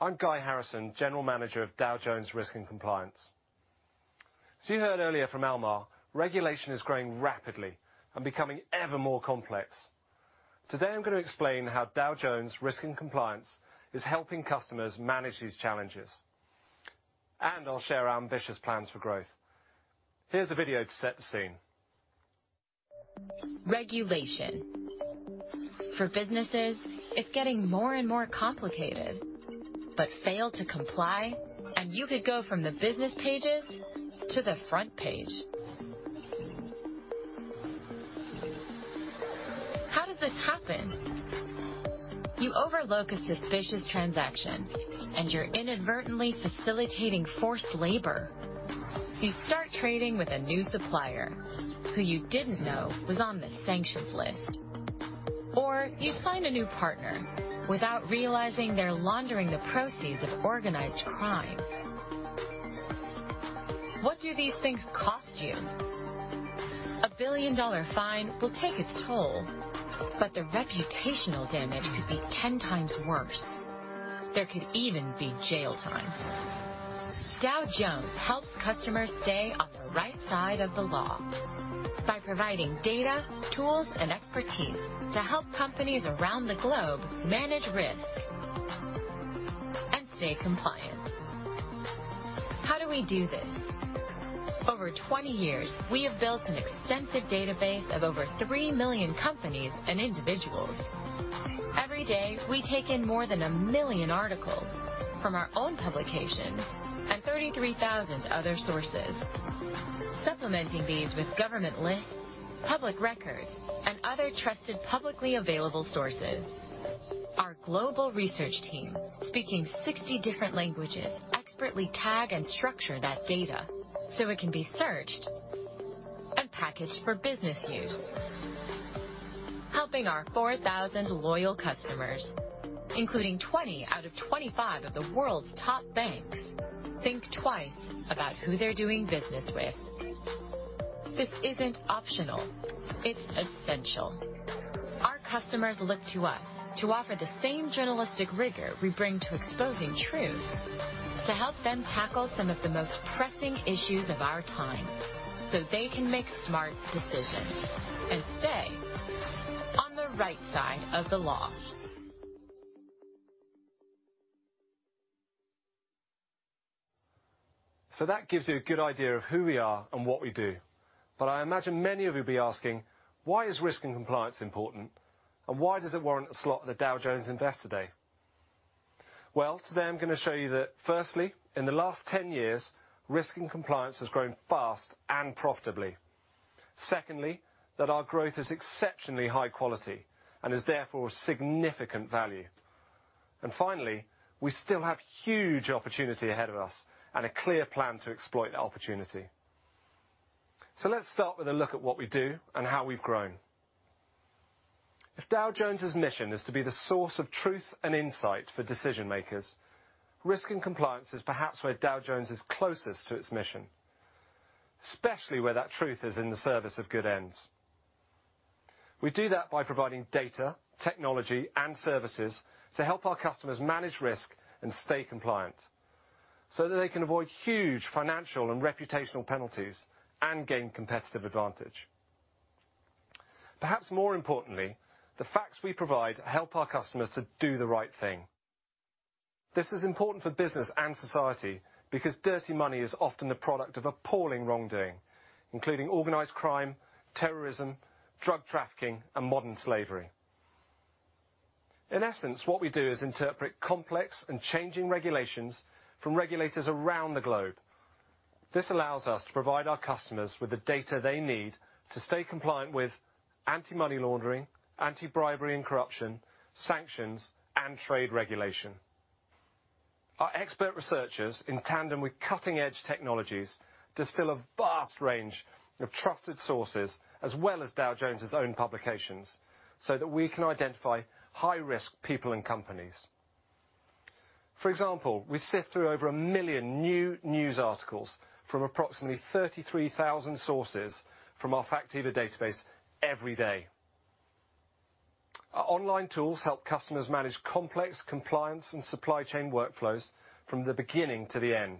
I'm Guy Harrison, General Manager of Dow Jones Risk & Compliance. You heard earlier from Almar, regulation is growing rapidly and becoming ever more complex. Today, I'm going to explain how Dow Jones Risk & Compliance is helping customers manage these challenges. I'll share our ambitious plans for growth. Here's a video to set the scene. Regulation. For businesses, it's getting more and more complicated. Fail to comply, and you could go from the business pages to the front page. How does this happen? You overlook a suspicious transaction, and you're inadvertently facilitating forced labor. You start trading with a new supplier who you didn't know was on the sanctions list. You sign a new partner without realizing they're laundering the proceeds of organized crime. What do these things cost you? A billion-dollar fine will take its toll, but the reputational damage could be 10 times worse. There could even be jail time. Dow Jones helps customers stay on the right side of the law by providing data, tools, and expertise to help companies around the globe manage risk and stay compliant. How do we do this? Over 20 years, we have built an extensive database of over 3 million companies and individuals. Every day, we take in more than a million articles from our own publications and 33,000 other sources, supplementing these with government lists, public records, and other trusted publicly available sources. Our global research team, speaking 60 different languages, expertly tag and structure that data so it can be searched and packaged for business use, helping our 4,000 loyal customers, including 20 out of 25 of the world's top banks, think twice about who they're doing business with. This isn't optional. It's essential. Our customers look to us to offer the same journalistic rigor we bring to exposing truths to help them tackle some of the most pressing issues of our time, so they can make smart decisions and stay on the right side of the law. That gives you a good idea of who we are and what we do. I imagine many of you will be asking, why is Risk & Compliance important, and why does it warrant a slot at the Dow Jones Investor Day? Today I'm going to show you that, firstly, in the last 10 years, Risk & Compliance has grown fast and profitably. Secondly, that our growth is exceptionally high quality and is therefore of significant value. Finally, we still have huge opportunity ahead of us and a clear plan to exploit that opportunity. Let's start with a look at what we do and how we've grown. If Dow Jones' mission is to be the source of truth and insight for decision-makers, Risk & Compliance is perhaps where Dow Jones is closest to its mission, especially where that truth is in the service of good ends. We do that by providing data, technology, and services to help our customers manage risk and stay compliant so that they can avoid huge financial and reputational penalties and gain competitive advantage. Perhaps more importantly, the facts we provide help our customers to do the right thing. This is important for business and society because dirty money is often the product of appalling wrongdoing, including organized crime, terrorism, drug trafficking, and modern slavery. In essence, what we do is interpret complex and changing regulations from regulators around the globe. This allows us to provide our customers with the data they need to stay compliant with anti-money laundering, anti-bribery and corruption, sanctions, and trade regulation. Our expert researchers, in tandem with cutting-edge technologies, distill a vast range of trusted sources, as well as Dow Jones' own publications, so that we can identify high-risk people and companies. For example, we sift through over 1 million new news articles from approximately 33,000 sources from our Factiva database every day. Our online tools help customers manage complex compliance and supply chain workflows from the beginning to the end.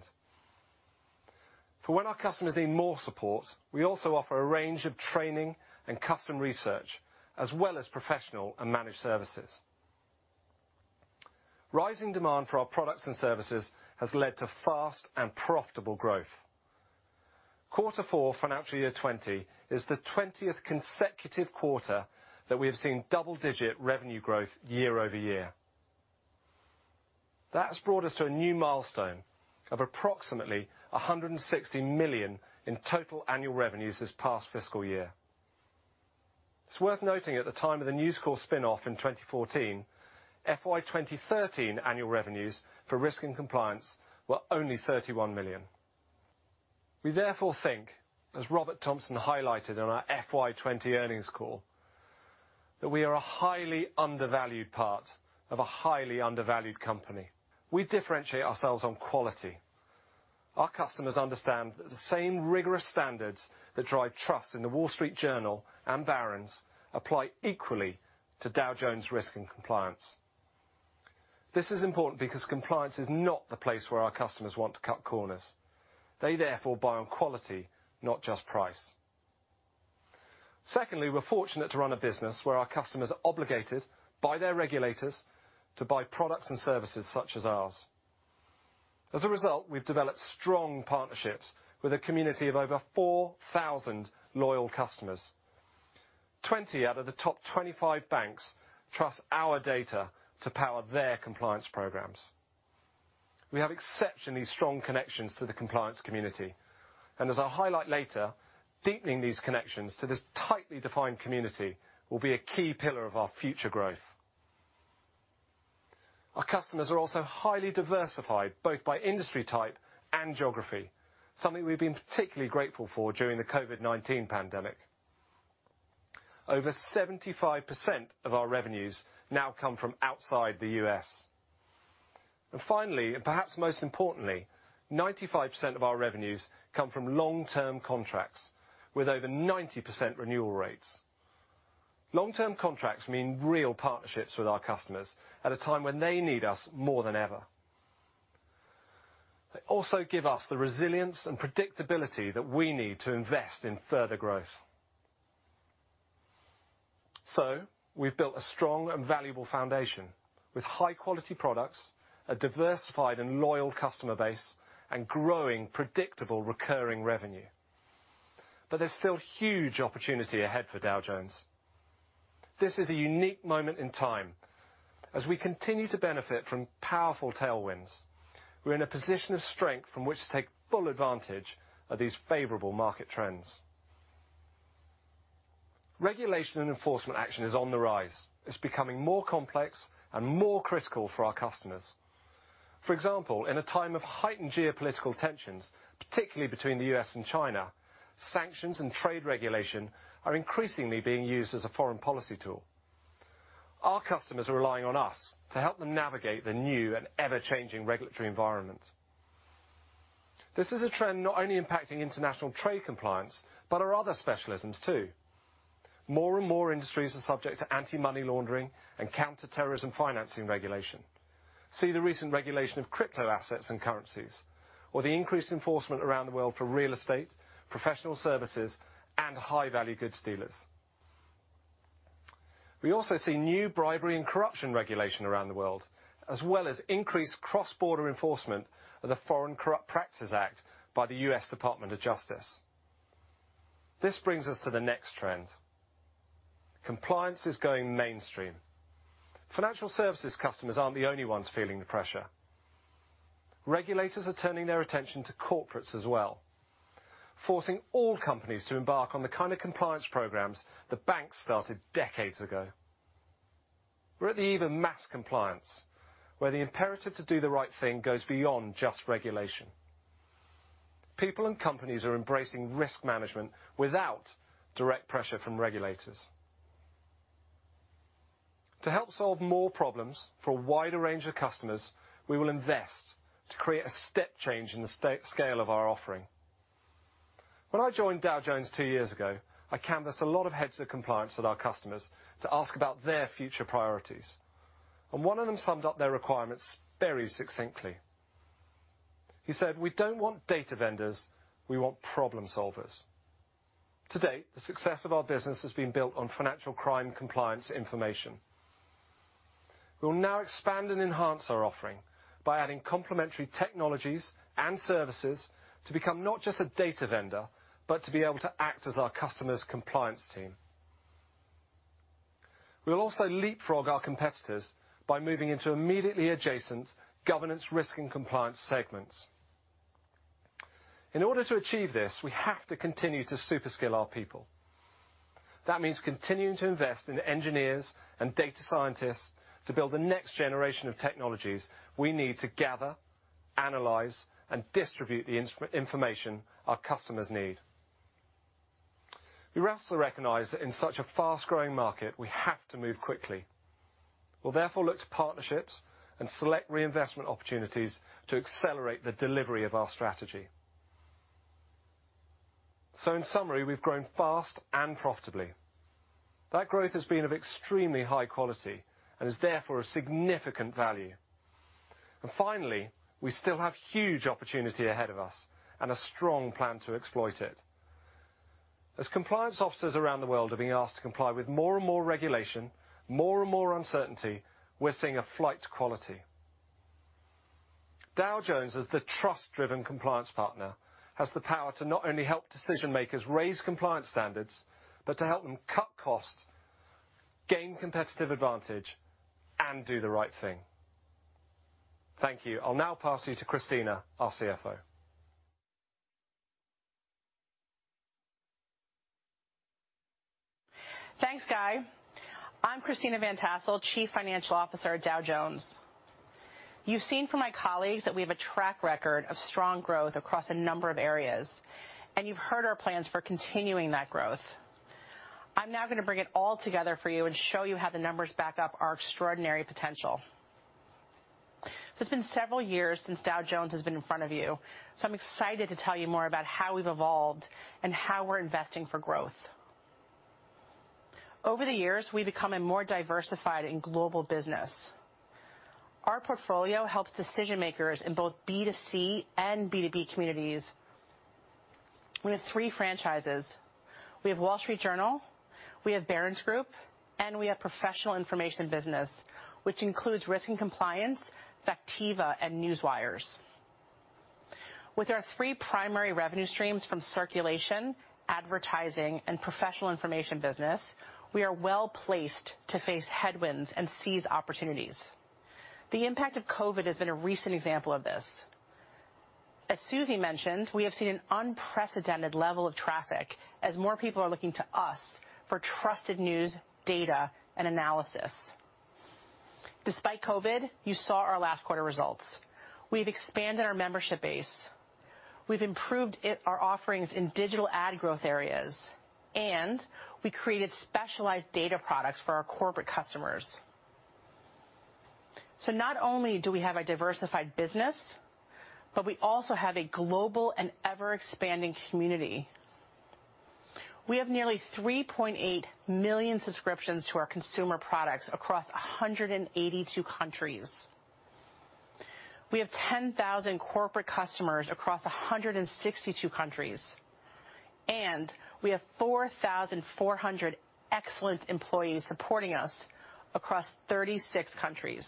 For when our customers need more support, we also offer a range of training and custom research, as well as professional and managed services. Rising demand for our products and services has led to fast and profitable growth. Q4 FY 2020 is the 20th consecutive quarter that we have seen double-digit revenue growth year-over-year. That's brought us to a new milestone of approximately $160 million in total annual revenues this past fiscal year. It's worth noting at the time of the News Corp spin-off in 2014, FY 2013 annual revenues for Risk & Compliance were only $31 million. We therefore think, as Robert Thomson highlighted on our FY 2020 earnings call, that we are a highly undervalued part of a highly undervalued company. We differentiate ourselves on quality. Our customers understand that the same rigorous standards that drive trust in The Wall Street Journal and Barron's apply equally to Dow Jones Risk & Compliance. This is important because compliance is not the place where our customers want to cut corners. They therefore buy on quality, not just price. Secondly, we're fortunate to run a business where our customers are obligated by their regulators to buy products and services such as ours. As a result, we've developed strong partnerships with a community of over 4,000 loyal customers. 20 out of the top 25 banks trust our data to power their compliance programs. As I'll highlight later, deepening these connections to this tightly defined community will be a key pillar of our future growth. Our customers are also highly diversified, both by industry type and geography, something we've been particularly grateful for during the COVID-19 pandemic. Over 75% of our revenues now come from outside the U.S. Finally, and perhaps most importantly, 95% of our revenues come from long-term contracts with over 90% renewal rates. Long-term contracts mean real partnerships with our customers at a time when they need us more than ever. They also give us the resilience and predictability that we need to invest in further growth. We've built a strong and valuable foundation with high-quality products, a diversified and loyal customer base, and growing predictable recurring revenue. There's still huge opportunity ahead for Dow Jones. This is a unique moment in time as we continue to benefit from powerful tailwinds. We're in a position of strength from which to take full advantage of these favorable market trends. Regulation and enforcement action is on the rise. It's becoming more complex and more critical for our customers. For example, in a time of heightened geopolitical tensions, particularly between the U.S. and China, sanctions and trade regulation are increasingly being used as a foreign policy tool. Our customers are relying on us to help them navigate the new and ever-changing regulatory environment. This is a trend not only impacting international trade compliance, but our other specialisms too. More and more industries are subject to anti-money laundering and counter-terrorism financing regulation. See the recent regulation of crypto assets and currencies, or the increased enforcement around the world for real estate, professional services, and high-value goods dealers. We also see new bribery and corruption regulation around the world, as well as increased cross-border enforcement of the Foreign Corrupt Practices Act by the U.S. Department of Justice. This brings us to the next trend. Compliance is going mainstream. Financial services customers aren't the only ones feeling the pressure. Regulators are turning their attention to corporates as well, forcing all companies to embark on the kind of compliance programs the banks started decades ago. We're at the eve of mass compliance, where the imperative to do the right thing goes beyond just regulation. People and companies are embracing risk management without direct pressure from regulators. To help solve more problems for a wider range of customers, we will invest to create a step change in the scale of our offering. When I joined Dow Jones two years ago, I canvassed a lot of heads of compliance at our customers to ask about their future priorities. One of them summed up their requirements very succinctly. He said, "We don't want data vendors. We want problem solvers." To date, the success of our business has been built on financial crime compliance information. We'll now expand and enhance our offering by adding complementary technologies and services to become not just a data vendor, but to be able to act as our customer's compliance team. We'll also leapfrog our competitors by moving into immediately adjacent governance risk and compliance segments. In order to achieve this, we have to continue to super skill our people. That means continuing to invest in engineers and data scientists to build the next generation of technologies we need to gather, analyze, and distribute the information our customers need. We also recognize that in such a fast-growing market, we have to move quickly. We'll therefore look to partnerships and select reinvestment opportunities to accelerate the delivery of our strategy. In summary, we've grown fast and profitably. That growth has been of extremely high quality and is therefore a significant value. Finally, we still have huge opportunity ahead of us and a strong plan to exploit it. As compliance officers around the world are being asked to comply with more and more regulation, more and more uncertainty, we're seeing a flight to quality. Dow Jones is the trust-driven compliance partner, has the power to not only help decision-makers raise compliance standards, but to help them cut costs, gain competitive advantage, and do the right thing. Thank you. I'll now pass you to Christina, our CFO. Thanks, Guy. I'm Christina Van Tassell, Chief Financial Officer at Dow Jones. You've seen from my colleagues that we have a track record of strong growth across a number of areas, and you've heard our plans for continuing that growth. I'm now going to bring it all together for you and show you how the numbers back up our extraordinary potential. It's been several years since Dow Jones has been in front of you, I'm excited to tell you more about how we've evolved and how we're investing for growth. Over the years, we've become a more diversified and global business. Our portfolio helps decision-makers in both B2C and B2B communities. We have three franchises. We have The Wall Street Journal, we have Barron's Group, and we have Professional Information Business, which includes Risk & Compliance, Factiva, and Newswires. With our three primary revenue streams from circulation, advertising, and Professional Information Business, we are well-placed to face headwinds and seize opportunities. The impact of COVID has been a recent example of this. As Suzi mentioned, we have seen an unprecedented level of traffic as more people are looking to us for trusted news, data, and analysis. Despite COVID, you saw our last quarter results. We've expanded our membership base, we've improved our offerings in digital ad growth areas, and we created specialized data products for our corporate customers. Not only do we have a diversified business, but we also have a global and ever-expanding community. We have nearly 3.8 million subscriptions to our consumer products across 182 countries. We have 10,000 corporate customers across 162 countries, and we have 4,400 excellent employees supporting us across 36 countries.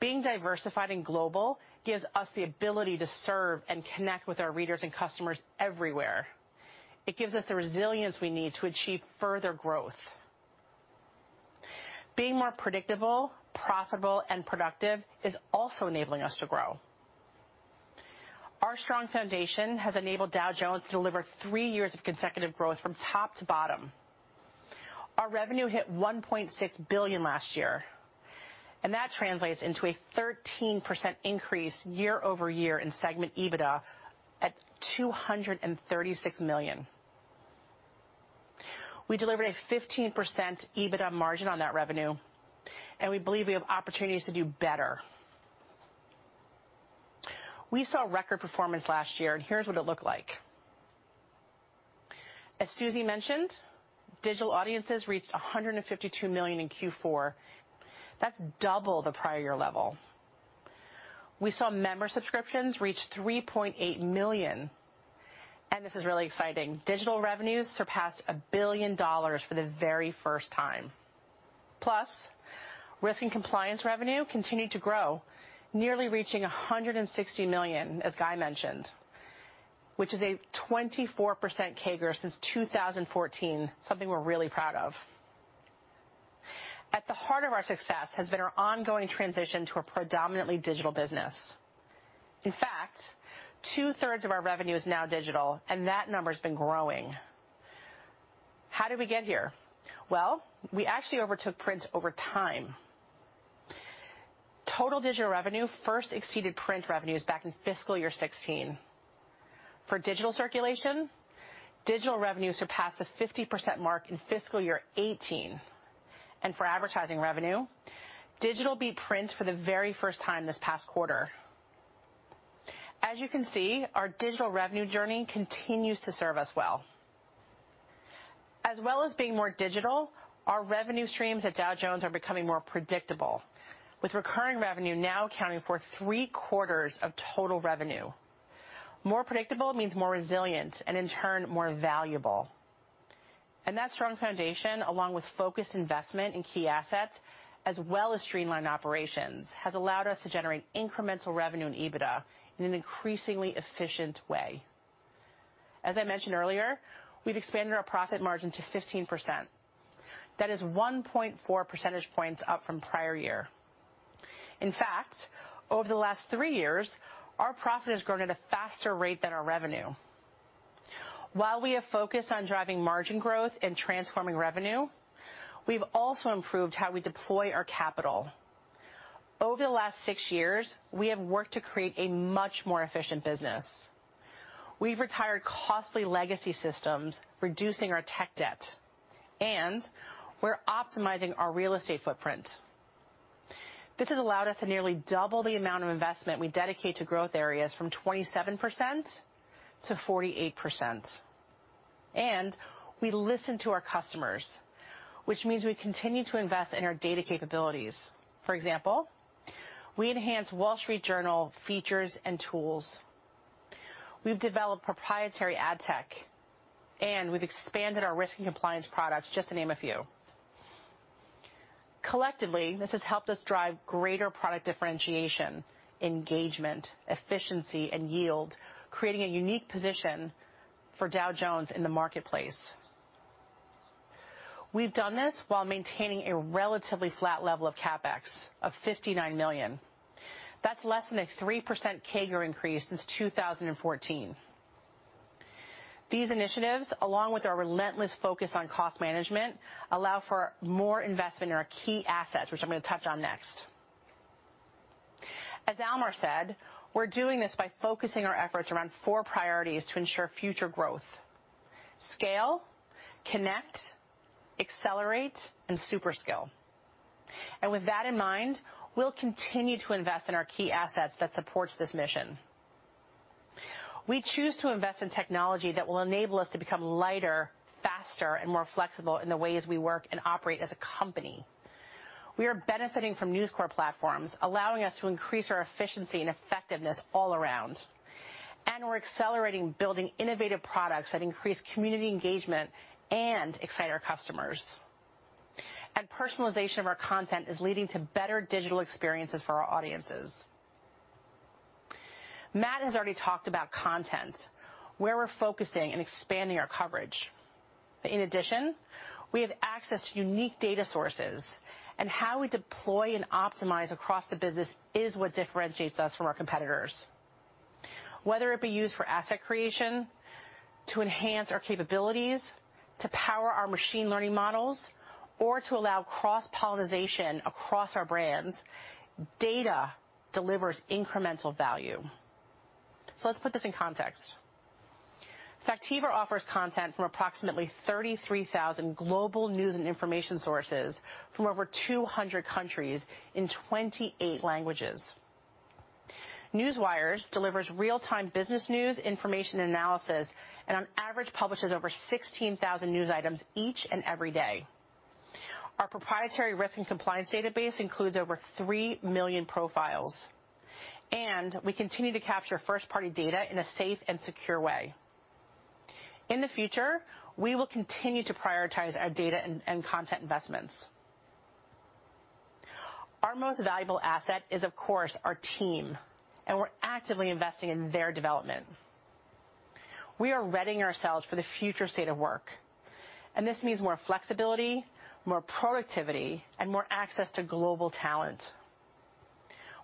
Being diversified and global gives us the ability to serve and connect with our readers and customers everywhere. It gives us the resilience we need to achieve further growth. Being more predictable, profitable, and productive is also enabling us to grow. Our strong foundation has enabled Dow Jones to deliver three years of consecutive growth from top to bottom. Our revenue hit $1.6 billion last year. That translates into a 13% increase year-over-year in segment EBITDA at $236 million. We delivered a 15% EBITDA margin on that revenue. We believe we have opportunities to do better. We saw record performance last year. Here's what it looked like. As Suzi mentioned, digital audiences reached 152 million in Q4. That's double the prior year level. We saw member subscriptions reach 3.8 million. This is really exciting. Digital revenues surpassed $1 billion for the very first time. Risk & Compliance revenue continued to grow, nearly reaching $160 million, as Guy mentioned, which is a 24% CAGR since 2014, something we're really proud of. At the heart of our success has been our ongoing transition to a predominantly digital business. In fact, two-thirds of our revenue is now digital, and that number's been growing. How did we get here? Well, we actually overtook print over time. Total digital revenue first exceeded print revenues back in fiscal year 2016. For digital circulation, digital revenue surpassed the 50% mark in fiscal year 2018, and for advertising revenue, digital beat print for the very first time this past quarter. As you can see, our digital revenue journey continues to serve us well. As well as being more digital, our revenue streams at Dow Jones are becoming more predictable, with recurring revenue now accounting for three-quarters of total revenue. More predictable means more resilient, and in turn, more valuable. That strong foundation, along with focused investment in key assets as well as streamlined operations, has allowed us to generate incremental revenue and EBITDA in an increasingly efficient way. As I mentioned earlier, we've expanded our profit margin to 15%. That is 1.4 percentage points up from prior year. In fact, over the last three years, our profit has grown at a faster rate than our revenue. While we have focused on driving margin growth and transforming revenue, we've also improved how we deploy our capital. Over the last six years, we have worked to create a much more efficient business. We've retired costly legacy systems, reducing our tech debt, and we're optimizing our real estate footprint. This has allowed us to nearly double the amount of investment we dedicate to growth areas from 27% to 48%. We listen to our customers, which means we continue to invest in our data capabilities. For example, we enhance The Wall Street Journal features and tools, we've developed proprietary ad tech, and we've expanded our Risk & Compliance products, just to name a few. Collectively, this has helped us drive greater product differentiation, engagement, efficiency, and yield, creating a unique position for Dow Jones in the marketplace. We've done this while maintaining a relatively flat level of CapEx of $59 million. That's less than a 3% CAGR increase since 2014. These initiatives, along with our relentless focus on cost management, allow for more investment in our key assets, which I'm going to touch on next. As Almar said, we're doing this by focusing our efforts around four priorities to ensure future growth: scale, connect, accelerate, and super skill. With that in mind, we'll continue to invest in our key assets that supports this mission. We choose to invest in technology that will enable us to become lighter, faster, and more flexible in the ways we work and operate as a company. We are benefiting from News Corp platforms, allowing us to increase our efficiency and effectiveness all around. We're accelerating building innovative products that increase community engagement and excite our customers. Personalization of our content is leading to better digital experiences for our audiences. Matt has already talked about content, where we're focusing and expanding our coverage. In addition, we have access to unique data sources, and how we deploy and optimize across the business is what differentiates us from our competitors. Whether it be used for asset creation, to enhance our capabilities, to power our machine learning models, or to allow cross-pollinization across our brands, data delivers incremental value. Let's put this in context. Factiva offers content from approximately 33,000 global news and information sources from over 200 countries in 28 languages. Newswires delivers real-time business news, information, and analysis, and on average publishes over 16,000 news items each and every day. Our proprietary risk and compliance database includes over 3 million profiles, and we continue to capture first-party data in a safe and secure way. In the future, we will continue to prioritize our data and content investments. Our most valuable asset is, of course, our team, and we're actively investing in their development. We are readying ourselves for the future state of work, and this means more flexibility, more productivity, and more access to global talent.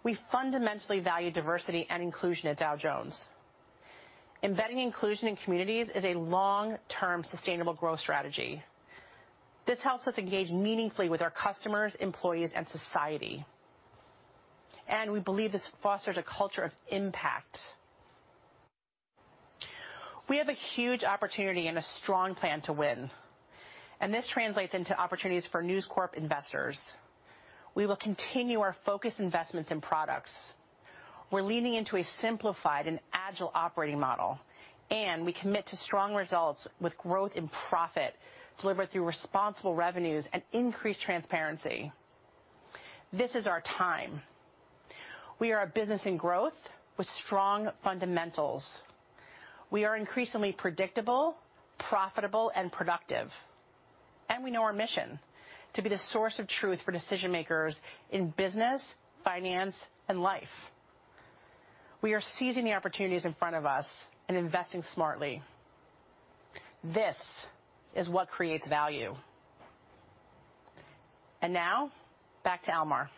We fundamentally value diversity and inclusion at Dow Jones. Embedding inclusion in communities is a long-term sustainable growth strategy. This helps us engage meaningfully with our customers, employees, and society, and we believe this fosters a culture of impact. We have a huge opportunity and a strong plan to win, and this translates into opportunities for News Corp investors. We will continue our focused investments in products. We're leaning into a simplified and agile operating model, and we commit to strong results with growth in profit delivered through responsible revenues and increased transparency. This is our time. We are a business in growth with strong fundamentals. We are increasingly predictable, profitable, and productive, and we know our mission: to be the source of truth for decision-makers in business, finance, and life. We are seizing the opportunities in front of us and investing smartly. This is what creates value. Now, back to Almar.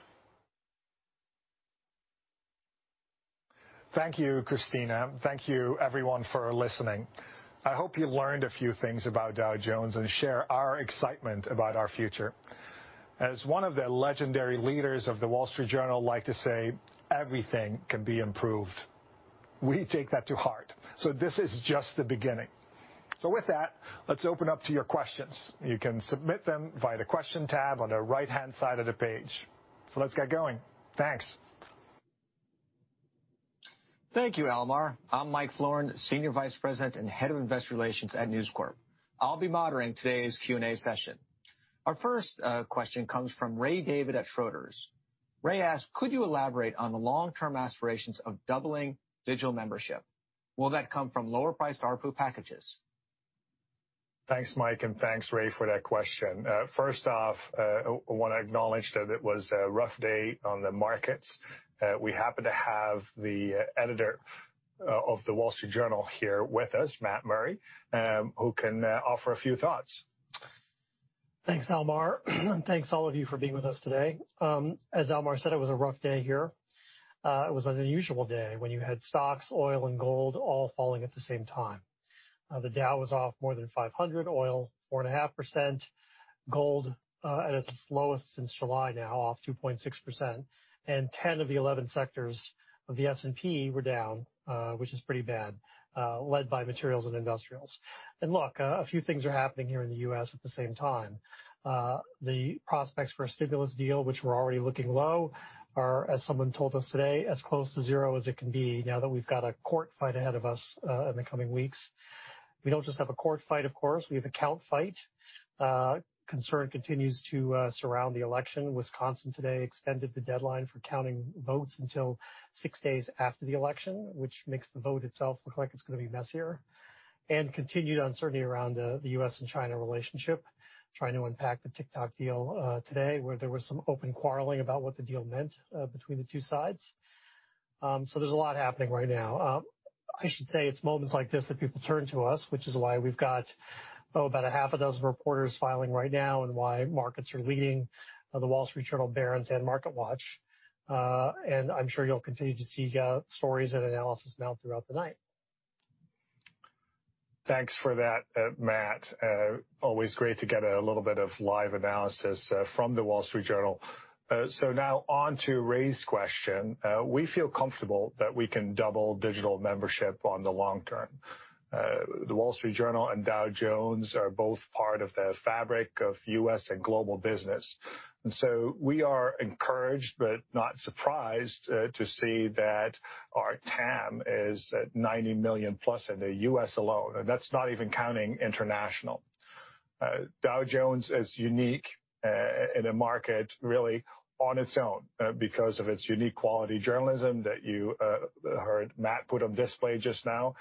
Thank you, Christina. Thank you, everyone, for listening. I hope you learned a few things about Dow Jones and share our excitement about our future. As one of the legendary leaders of The Wall Street Journal liked to say, "Everything can be improved." We take that to heart. This is just the beginning. With that, let's open up to your questions. You can submit them via the question tab on the right-hand side of the page. Let's get going. Thanks. Thank you, Almar. I'm Mike Florin, Senior Vice President and Head of Investor Relations at News Corp. I'll be moderating today's Q&A session. Our first question comes from Ray David at Schroders. Ray asks, "Could you elaborate on the long-term aspirations of doubling digital membership? Will that come from lower priced ARPU packages? Thanks, Mike, and thanks, Ray, for that question. I want to acknowledge that it was a rough day on the markets. We happen to have the Editor of The Wall Street Journal here with us, Matt Murray, who can offer a few thoughts. Thanks, Almar. Thanks, all of you, for being with us today. As Almar said, it was a rough day here. It was an unusual day when you had stocks, oil, and gold all falling at the same time. The Dow was off more than 500. Oil, 4.5%. Gold at its lowest since July now off 2.6%. 10 of the 11 sectors of the S&P were down, which is pretty bad, led by materials and industrials. Look, a few things are happening here in the U.S. at the same time. The prospects for a stimulus deal, which were already looking low, are, as someone told us today, as close to zero as it can be now that we've got a court fight ahead of us in the coming weeks. We don't just have a court fight, of course. We have a count fight. Concern continues to surround the election. Wisconsin today extended the deadline for counting votes until six days after the election, which makes the vote itself look like it's going to be messier and continued uncertainty around the U.S. and China relationship, trying to unpack the TikTok deal today, where there was some open quarreling about what the deal meant between the two sides. There's a lot happening right now. I should say it's moments like this that people turn to us, which is why we've got about a half a dozen reporters filing right now, and why markets are leading The Wall Street Journal, Barron's, and MarketWatch. I'm sure you'll continue to see stories and analysis now throughout the night. Thanks for that, Matt. Always great to get a little bit of live analysis from The Wall Street Journal. Now on to Ray's question. We feel comfortable that we can double digital membership on the long term. The Wall Street Journal and Dow Jones are both part of the fabric of U.S. and global business, and so we are encouraged but not surprised to see that our TAM is at 90 million plus in the U.S. alone, and that's not even counting international. Dow Jones is unique in a market really on its own because of its unique quality journalism that you heard Matt put on display just now,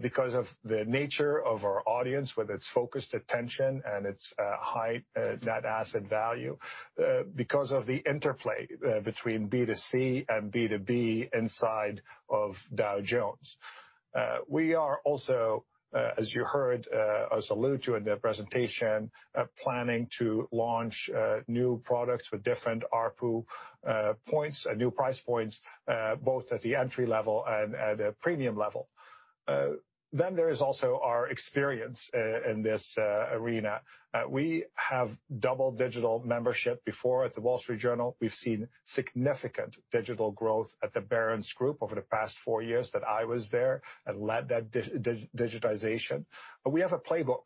because of the nature of our audience, with its focused attention and its high net asset value, because of the interplay between B2C and B2B inside of Dow Jones. We are also, as you heard us allude to in the presentation, planning to launch new products with different ARPU points, new price points, both at the entry level and at a premium level. There is also our experience in this arena. We have doubled digital membership before at The Wall Street Journal. We've seen significant digital growth at the Barron's Group over the past four years that I was there and led that digitization. We have a playbook.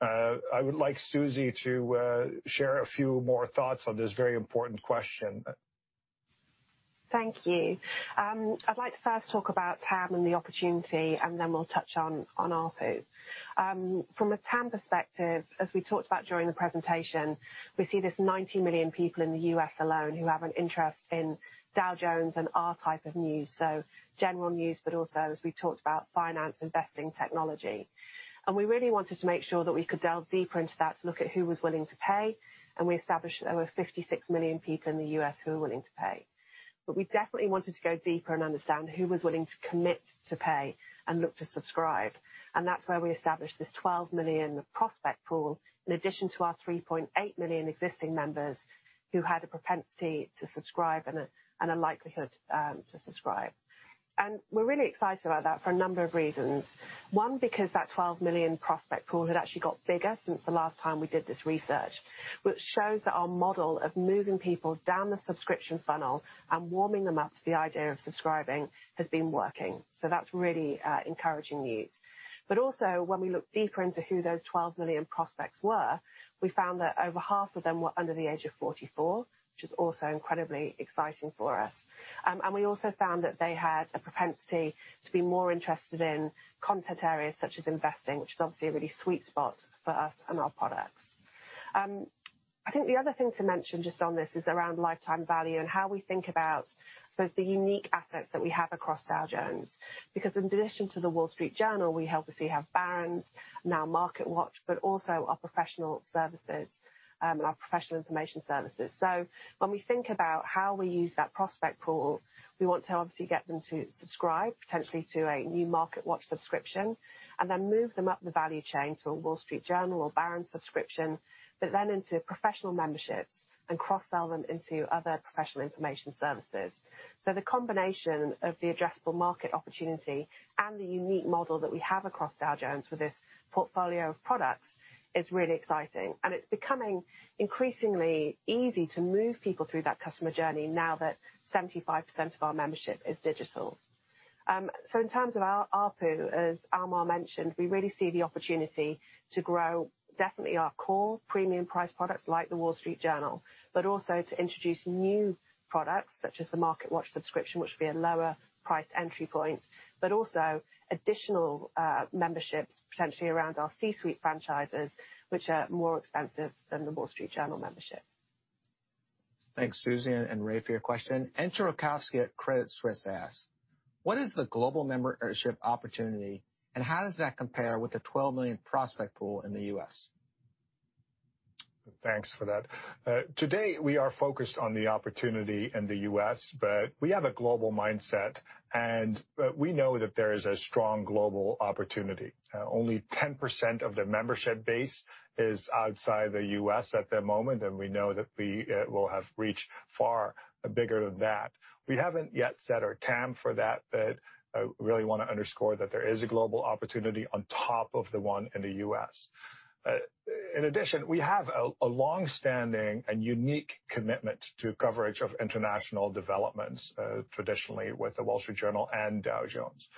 I would like Suzi to share a few more thoughts on this very important question. Thank you. I'd like to first talk about TAM and the opportunity, then we'll touch on ARPU. From a TAM perspective, as we talked about during the presentation, we see there's 90 million people in the U.S. alone who have an interest in Dow Jones and our type of news, so general news, but also, as we talked about finance, investing, technology. We really wanted to make sure that we could delve deeper into that to look at who was willing to pay, and we established there were 56 million people in the U.S. who were willing to pay. We definitely wanted to go deeper and understand who was willing to commit to pay and look to subscribe, and that's where we established this 12 million prospect pool in addition to our 3.8 million existing members who had a propensity to subscribe and a likelihood to subscribe. We're really excited about that for a number of reasons. One, because that 12 million prospect pool had actually got bigger since the last time we did this research, which shows that our model of moving people down the subscription funnel and warming them up to the idea of subscribing has been working. That's really encouraging news. Also, when we look deeper into who those 12 million prospects were, we found that over half of them were under the age of 44, which is also incredibly exciting for us. We also found that they had a propensity to be more interested in content areas such as investing, which is obviously a really sweet spot for us and our products. I think the other thing to mention just on this is around lifetime value and how we think about both the unique assets that we have across Dow Jones. In addition to The Wall Street Journal, we obviously have Barron's, now MarketWatch, but also our professional services and our professional information services. When we think about how we use that prospect pool, we want to obviously get them to subscribe potentially to a new MarketWatch subscription, and then move them up the value chain to a Wall Street Journal or Barron's subscription, but then into professional memberships and cross-sell them into other professional information services. The combination of the addressable market opportunity and the unique model that we have across Dow Jones for this portfolio of products is really exciting, and it's becoming increasingly easy to move people through that customer journey now that 75% of our membership is digital. In terms of our ARPU, as Almar mentioned, we really see the opportunity to grow definitely our core premium price products like The Wall Street Journal, but also to introduce new products such as the MarketWatch subscription, which would be a lower price entry point, but also additional memberships potentially around our C-suite franchises, which are more expensive than The Wall Street Journal membership. Thanks, Suzi, and Ray, for your question. Entcho Raykovski at Credit Suisse asks, "What is the global membership opportunity, and how does that compare with the 12 million prospect pool in the U.S.? Thanks for that. Today, we are focused on the opportunity in the U.S., we have a global mindset, and we know that there is a strong global opportunity. Only 10% of the membership base is outside the U.S. at the moment, we know that we will have reached far bigger than that. We haven't yet set our TAM for that, I really want to underscore that there is a global opportunity on top of the one in the U.S. In addition, we have a longstanding and unique commitment to coverage of international developments, traditionally with The Wall Street Journal and Dow Jones.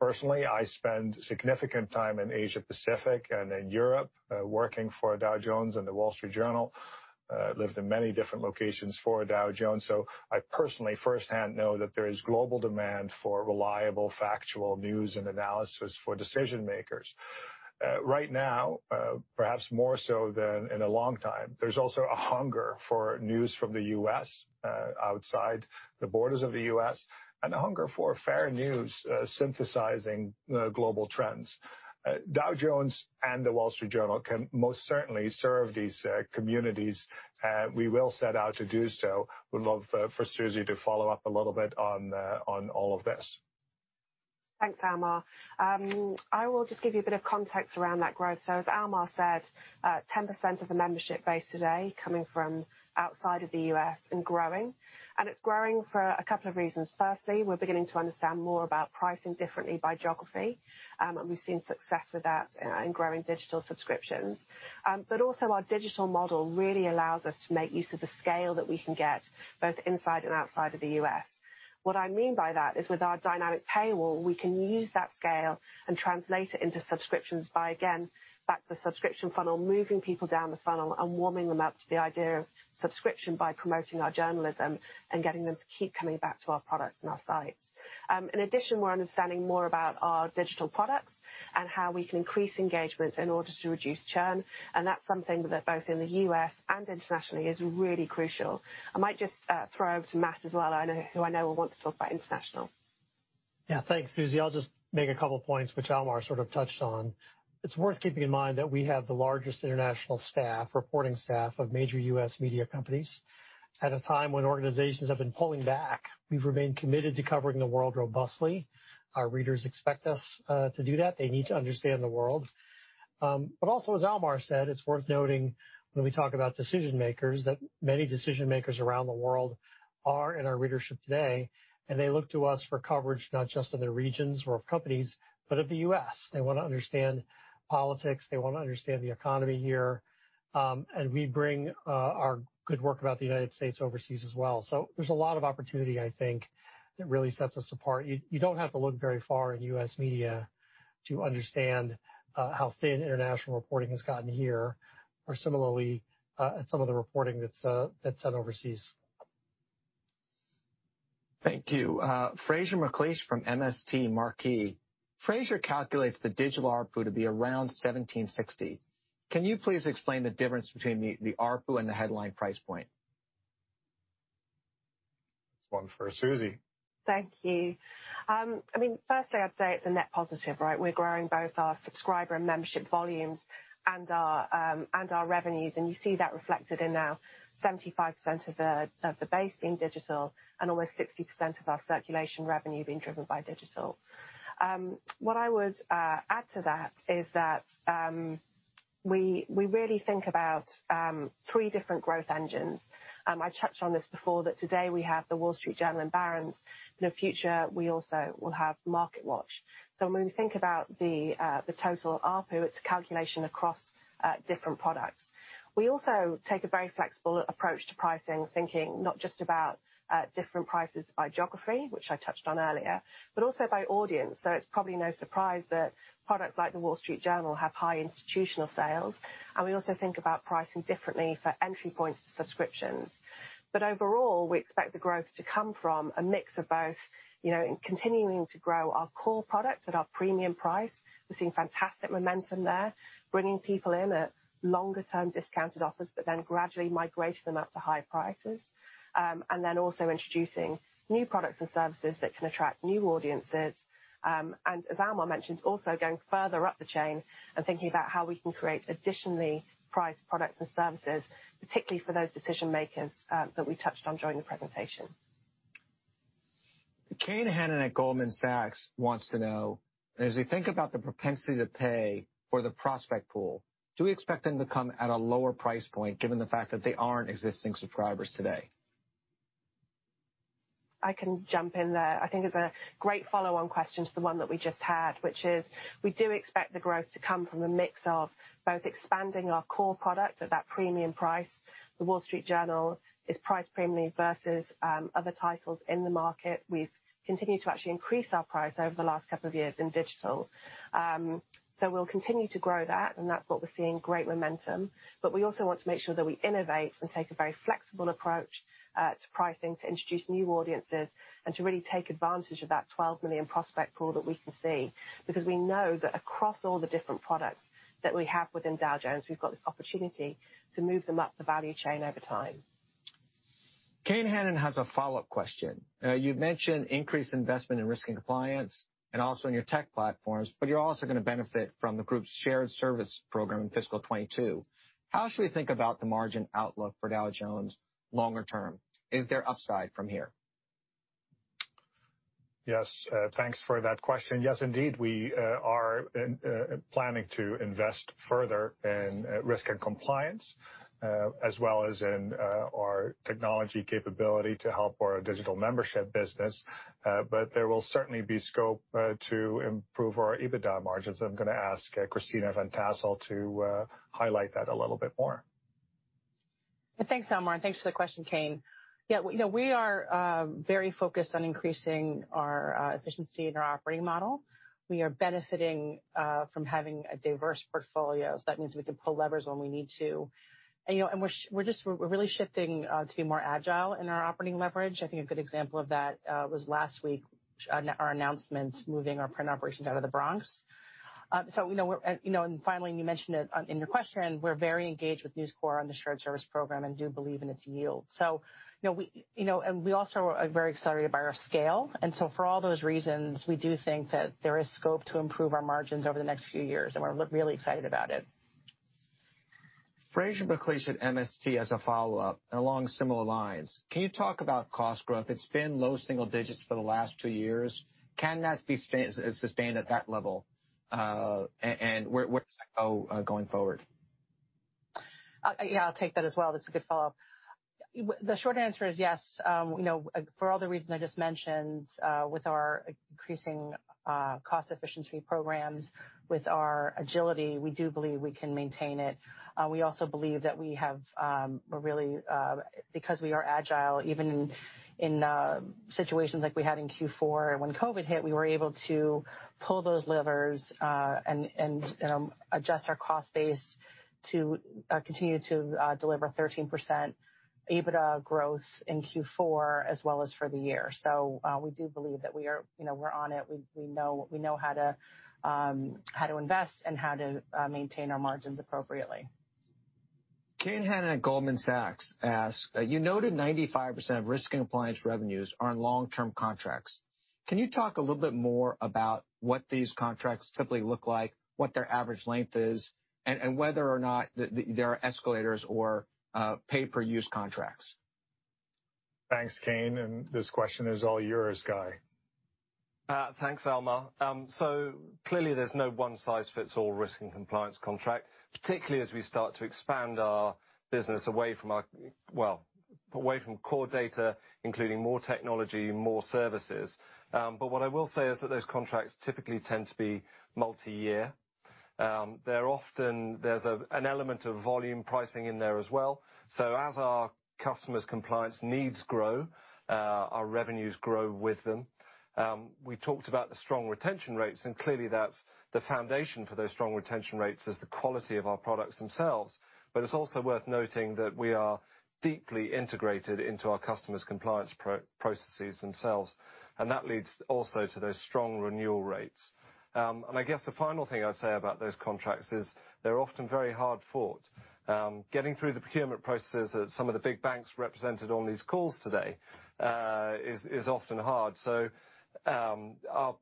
Personally, I spend significant time in Asia Pacific and in Europe, working for Dow Jones and The Wall Street Journal. Lived in many different locations for Dow Jones. I personally, firsthand, know that there is global demand for reliable, factual news and analysis for decision-makers. Right now, perhaps more so than in a long time, there's also a hunger for news from the U.S., outside the borders of the U.S., and a hunger for fair news synthesizing global trends. Dow Jones and The Wall Street Journal can most certainly serve these communities. We will set out to do so. Would love for Suzi to follow up a little bit on all of this. Thanks, Almar. I will just give you a bit of context around that growth. As Almar said, 10% of the membership base today coming from outside of the U.S. and growing. It's growing for a couple of reasons. Firstly, we're beginning to understand more about pricing differently by geography, and we've seen success with that in growing digital subscriptions. Also, our digital model really allows us to make use of the scale that we can get both inside and outside of the U.S. What I mean by that is, with our dynamic paywall, we can use that scale and translate it into subscriptions by, again, back to the subscription funnel, moving people down the funnel and warming them up to the idea of subscription by promoting our journalism and getting them to keep coming back to our products and our sites. In addition, we're understanding more about our digital products and how we can increase engagement in order to reduce churn, and that's something that both in the U.S. and internationally is really crucial. I might just throw over to Matt as well, who I know will want to talk about international. Yeah, thanks, Suzi. I'll just make a couple of points, which Almar sort of touched on. It's worth keeping in mind that we have the largest international staff, reporting staff, of major U.S. media companies. At a time when organizations have been pulling back, we've remained committed to covering the world robustly. Our readers expect us to do that. They need to understand the world. Also, as Almar said, it's worth noting when we talk about decision-makers, that many decision-makers around the world are in our readership today, and they look to us for coverage, not just of their regions or of companies, but of the U.S. They want to understand politics. They want to understand the economy here. We bring our good work about the United States overseas as well. There's a lot of opportunity, I think, that really sets us apart. You don't have to look very far in U.S. media to understand how thin international reporting has gotten here, or similarly, some of the reporting that's done overseas. Thank you. Fraser McLeish from MST Marquee. Fraser calculates the digital ARPU to be around $1,760. Can you please explain the difference between the ARPU and the headline price point? That's one for Suzi. Thank you. Firstly, I'd say it's a net positive, right? We're growing both our subscriber and membership volumes and our revenues, and you see that reflected in our 75% of the base being digital and almost 60% of our circulation revenue being driven by digital. What I would add to that is that we really think about three different growth engines. I touched on this before, that today we have The Wall Street Journal and Barron's. In the future, we also will have MarketWatch. When we think about the total ARPU, it's a calculation across different products. We also take a very flexible approach to pricing, thinking not just about different prices by geography, which I touched on earlier, but also by audience. It's probably no surprise that products like The Wall Street Journal have high institutional sales. We also think about pricing differently for entry points to subscriptions. Overall, we expect the growth to come from a mix of both in continuing to grow our core products at our premium price. We're seeing fantastic momentum there, bringing people in at longer-term discounted offers, but then gradually migrating them up to higher prices. Also introducing new products and services that can attract new audiences. As Almar mentioned, also going further up the chain and thinking about how we can create additionally priced products and services, particularly for those decision-makers that we touched on during the presentation. Kane Hannan at Goldman Sachs wants to know, as we think about the propensity to pay for the prospect pool, do we expect them to come at a lower price point, given the fact that they aren't existing subscribers today? I can jump in there. I think it's a great follow-on question to the one that we just had, which is we do expect the growth to come from a mix of both expanding our core product at that premium price. The Wall Street Journal is priced premiumly versus other titles in the market. We've continued to actually increase our price over the last couple of years in digital. We'll continue to grow that, and that's what we're seeing great momentum. We also want to make sure that we innovate and take a very flexible approach to pricing to introduce new audiences and to really take advantage of that 12 million prospect pool that we can see. We know that across all the different products that we have within Dow Jones, we've got this opportunity to move them up the value chain over time. Kane Hannan has a follow-up question. You mentioned increased investment in Risk & Compliance and also in your tech platforms, but you're also going to benefit from the group's shared service program in fiscal 2022. How should we think about the margin outlook for Dow Jones longer term? Is there upside from here? Yes. Thanks for that question. Yes, indeed. We are planning to invest further in Risk & Compliance, as well as in our technology capability to help our digital membership business. There will certainly be scope to improve our EBITDA margins. I'm going to ask Christina Van Tassell to highlight that a little bit more. Thanks, Almar, and thanks for the question, Kane. We are very focused on increasing our efficiency in our operating model. We are benefiting from having a diverse portfolio, so that means we can pull levers when we need to. We're really shifting to be more agile in our operating leverage. I think a good example of that was last week, our announcement moving our print operations out of the Bronx. Finally, you mentioned it in your question, we're very engaged with News Corp on the shared service program and do believe in its yield. We also are very excited by our scale. So for all those reasons, we do think that there is scope to improve our margins over the next few years, and we're really excited about it. Fraser McLeish at MST has a follow-up along similar lines. Can you talk about cost growth? It's been low single digits for the last two years. Can that be sustained at that level? Where does that go going forward? Yeah, I'll take that as well. That's a good follow-up. The short answer is yes. For all the reasons I just mentioned, with our increasing cost efficiency programs, with our agility, we do believe we can maintain it. We also believe that because we are agile, even in situations like we had in Q4 when COVID hit, we were able to pull those levers, and adjust our cost base to continue to deliver 13% EBITDA growth in Q4 as well as for the year. We do believe that we're on it. We know how to invest and how to maintain our margins appropriately. Kane Hannan at Goldman Sachs asks, you noted 95% of Risk & Compliance revenues are in long-term contracts. Can you talk a little bit more about what these contracts typically look like, what their average length is, and whether or not there are escalators or pay-per-use contracts? Thanks, Kane, and this question is all yours, Guy. Thanks, Almar. Clearly there's no one-size-fits-all risk and compliance contract, particularly as we start to expand our business away from core data, including more technology, more services. What I will say is that those contracts typically tend to be multi-year. There's an element of volume pricing in there as well. As our customers' compliance needs grow, our revenues grow with them. We talked about the strong retention rates. Clearly the foundation for those strong retention rates is the quality of our products themselves. It's also worth noting that we are deeply integrated into our customers' compliance processes themselves, and that leads also to those strong renewal rates. I guess the final thing I'd say about those contracts is they're often very hard-fought. Getting through the procurement processes at some of the big banks represented on these calls today is often hard. Our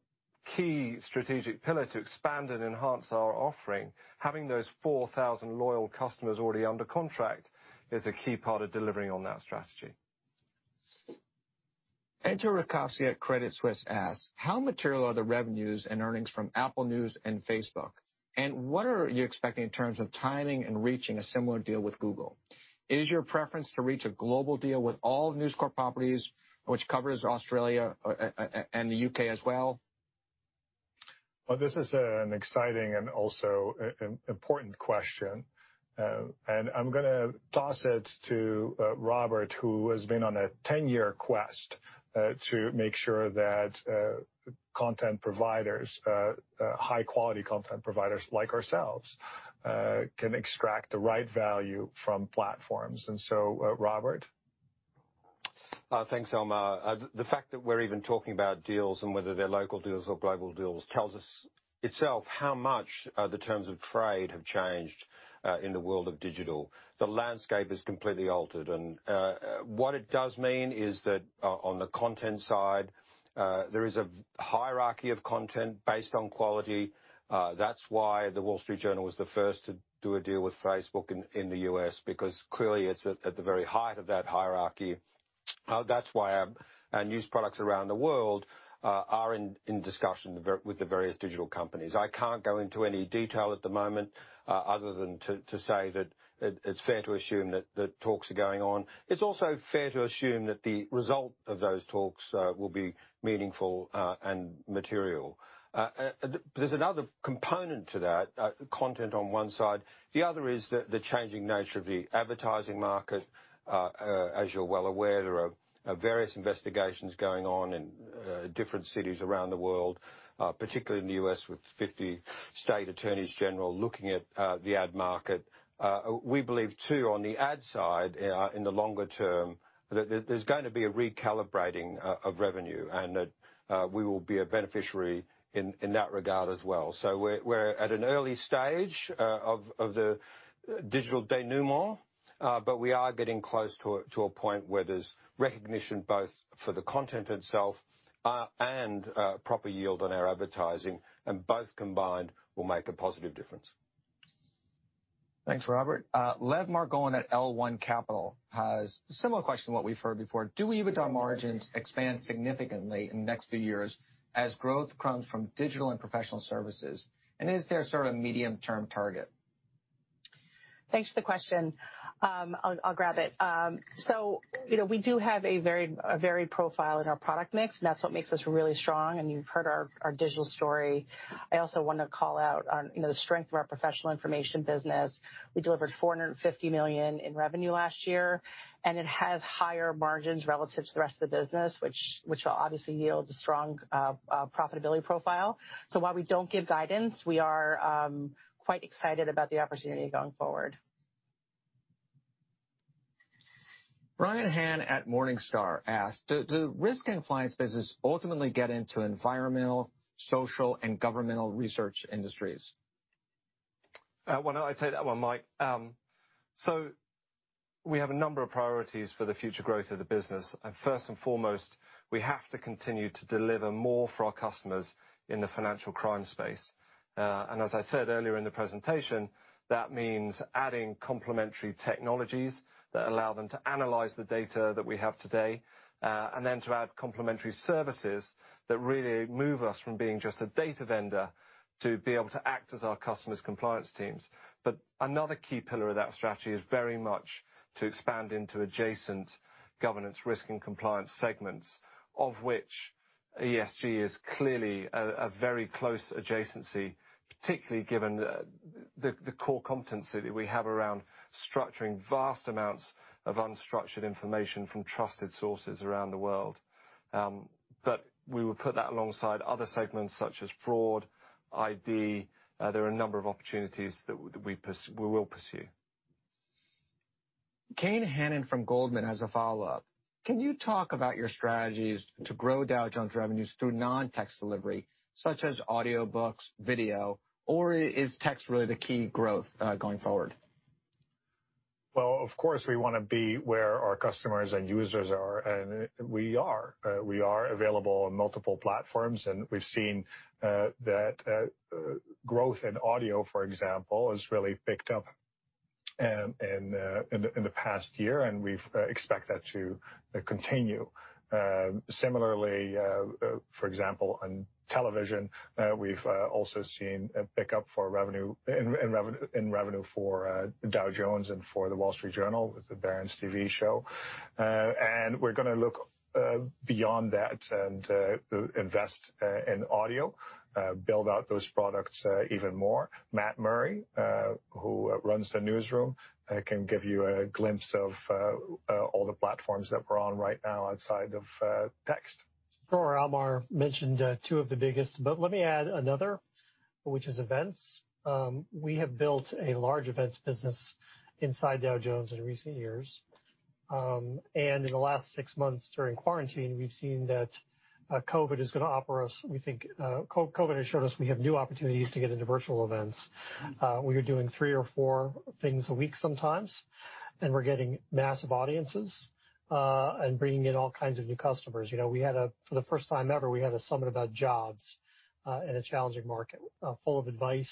key strategic pillar to expand and enhance our offering, having those 4,000 loyal customers already under contract is a key part of delivering on that strategy. Entcho Raykovski at Credit Suisse asks, "How material are the revenues and earnings from Apple News and Facebook? What are you expecting in terms of timing and reaching a similar deal with Google? Is your preference to reach a global deal with all News Corp properties, which covers Australia and the U.K. as well? This is an exciting and also important question. I'm going to toss it to Robert, who has been on a 10-year quest to make sure that high-quality content providers like ourselves can extract the right value from platforms. Robert? Thanks, Almar. The fact that we're even talking about deals and whether they're local deals or global deals tells us itself how much the terms of trade have changed in the world of digital. The landscape is completely altered. What it does mean is that on the content side, there is a hierarchy of content based on quality. That's why The Wall Street Journal was the first to do a deal with Facebook in the U.S., because clearly it's at the very height of that hierarchy. That's why our news products around the world are in discussion with the various digital companies. I can't go into any detail at the moment, other than to say that it's fair to assume that talks are going on. It's also fair to assume that the result of those talks will be meaningful and material. There's another component to that, content on one side. The other is the changing nature of the advertising market. As you're well aware, there are various investigations going on in different cities around the world, particularly in the U.S., with 50 state attorneys general looking at the ad market. We believe, too, on the ad side, in the longer term, that there's going to be a recalibrating of revenue and that we will be a beneficiary in that regard as well. We're at an early stage of the digital denouement. We are getting close to a point where there's recognition both for the content itself and proper yield on our advertising, and both combined will make a positive difference. Thanks, Robert. Lev Margolin at L1 Capital has a similar question to what we've heard before. Do EBITDA margins expand significantly in the next few years as growth comes from digital and professional services? Is there a medium-term target? Thanks for the question. I'll grab it. We do have a varied profile in our product mix, and that's what makes us really strong. You've heard our digital story. I also want to call out on the strength of our Professional Information Business. We delivered $450 million in revenue last year, and it has higher margins relative to the rest of the business, which will obviously yield a strong profitability profile. While we don't give guidance, we are quite excited about the opportunity going forward. Brian Han at Morningstar asked, "Do risk and compliance business ultimately get into environmental, social, and governmental research industries? Why don't I take that one, Mike? We have a number of priorities for the future growth of the business, first and foremost, we have to continue to deliver more for our customers in the financial crime space. As I said earlier in the presentation, that means adding complementary technologies that allow them to analyze the data that we have today, and then to add complementary services that really move us from being just a data vendor to be able to act as our customers' compliance teams. Another key pillar of that strategy is very much to expand into adjacent governance, risk, and compliance segments, of which ESG is clearly a very close adjacency, particularly given the core competency that we have around structuring vast amounts of unstructured information from trusted sources around the world. We will put that alongside other segments such as fraud, ID. There are a number of opportunities that we will pursue. Kane Hannan from Goldman has a follow-up. Can you talk about your strategies to grow Dow Jones revenues through non-text delivery, such as audiobooks, video, or is text really the key growth going forward? Well, of course, we want to be where our customers and users are, and we are. We are available on multiple platforms, and we've seen that growth in audio, for example, has really picked up in the past year, and we expect that to continue. Similarly, for example, on television, we've also seen a pickup in revenue for Dow Jones and for The Wall Street Journal with the Barron's TV Show. We're going to look beyond that and invest in audio, build out those products even more. Matt Murray, who runs the newsroom, can give you a glimpse of all the platforms that we're on right now outside of text. Sure. Almar mentioned two of the biggest, but let me add another, which is events. We have built a large events business inside Dow Jones in recent years. In the last six months during quarantine, we've seen that COVID has showed us we have new opportunities to get into virtual events. We are doing three or four things a week sometimes, and we're getting massive audiences, and bringing in all kinds of new customers. For the first time ever, we had a summit about jobs in a challenging market, full of advice,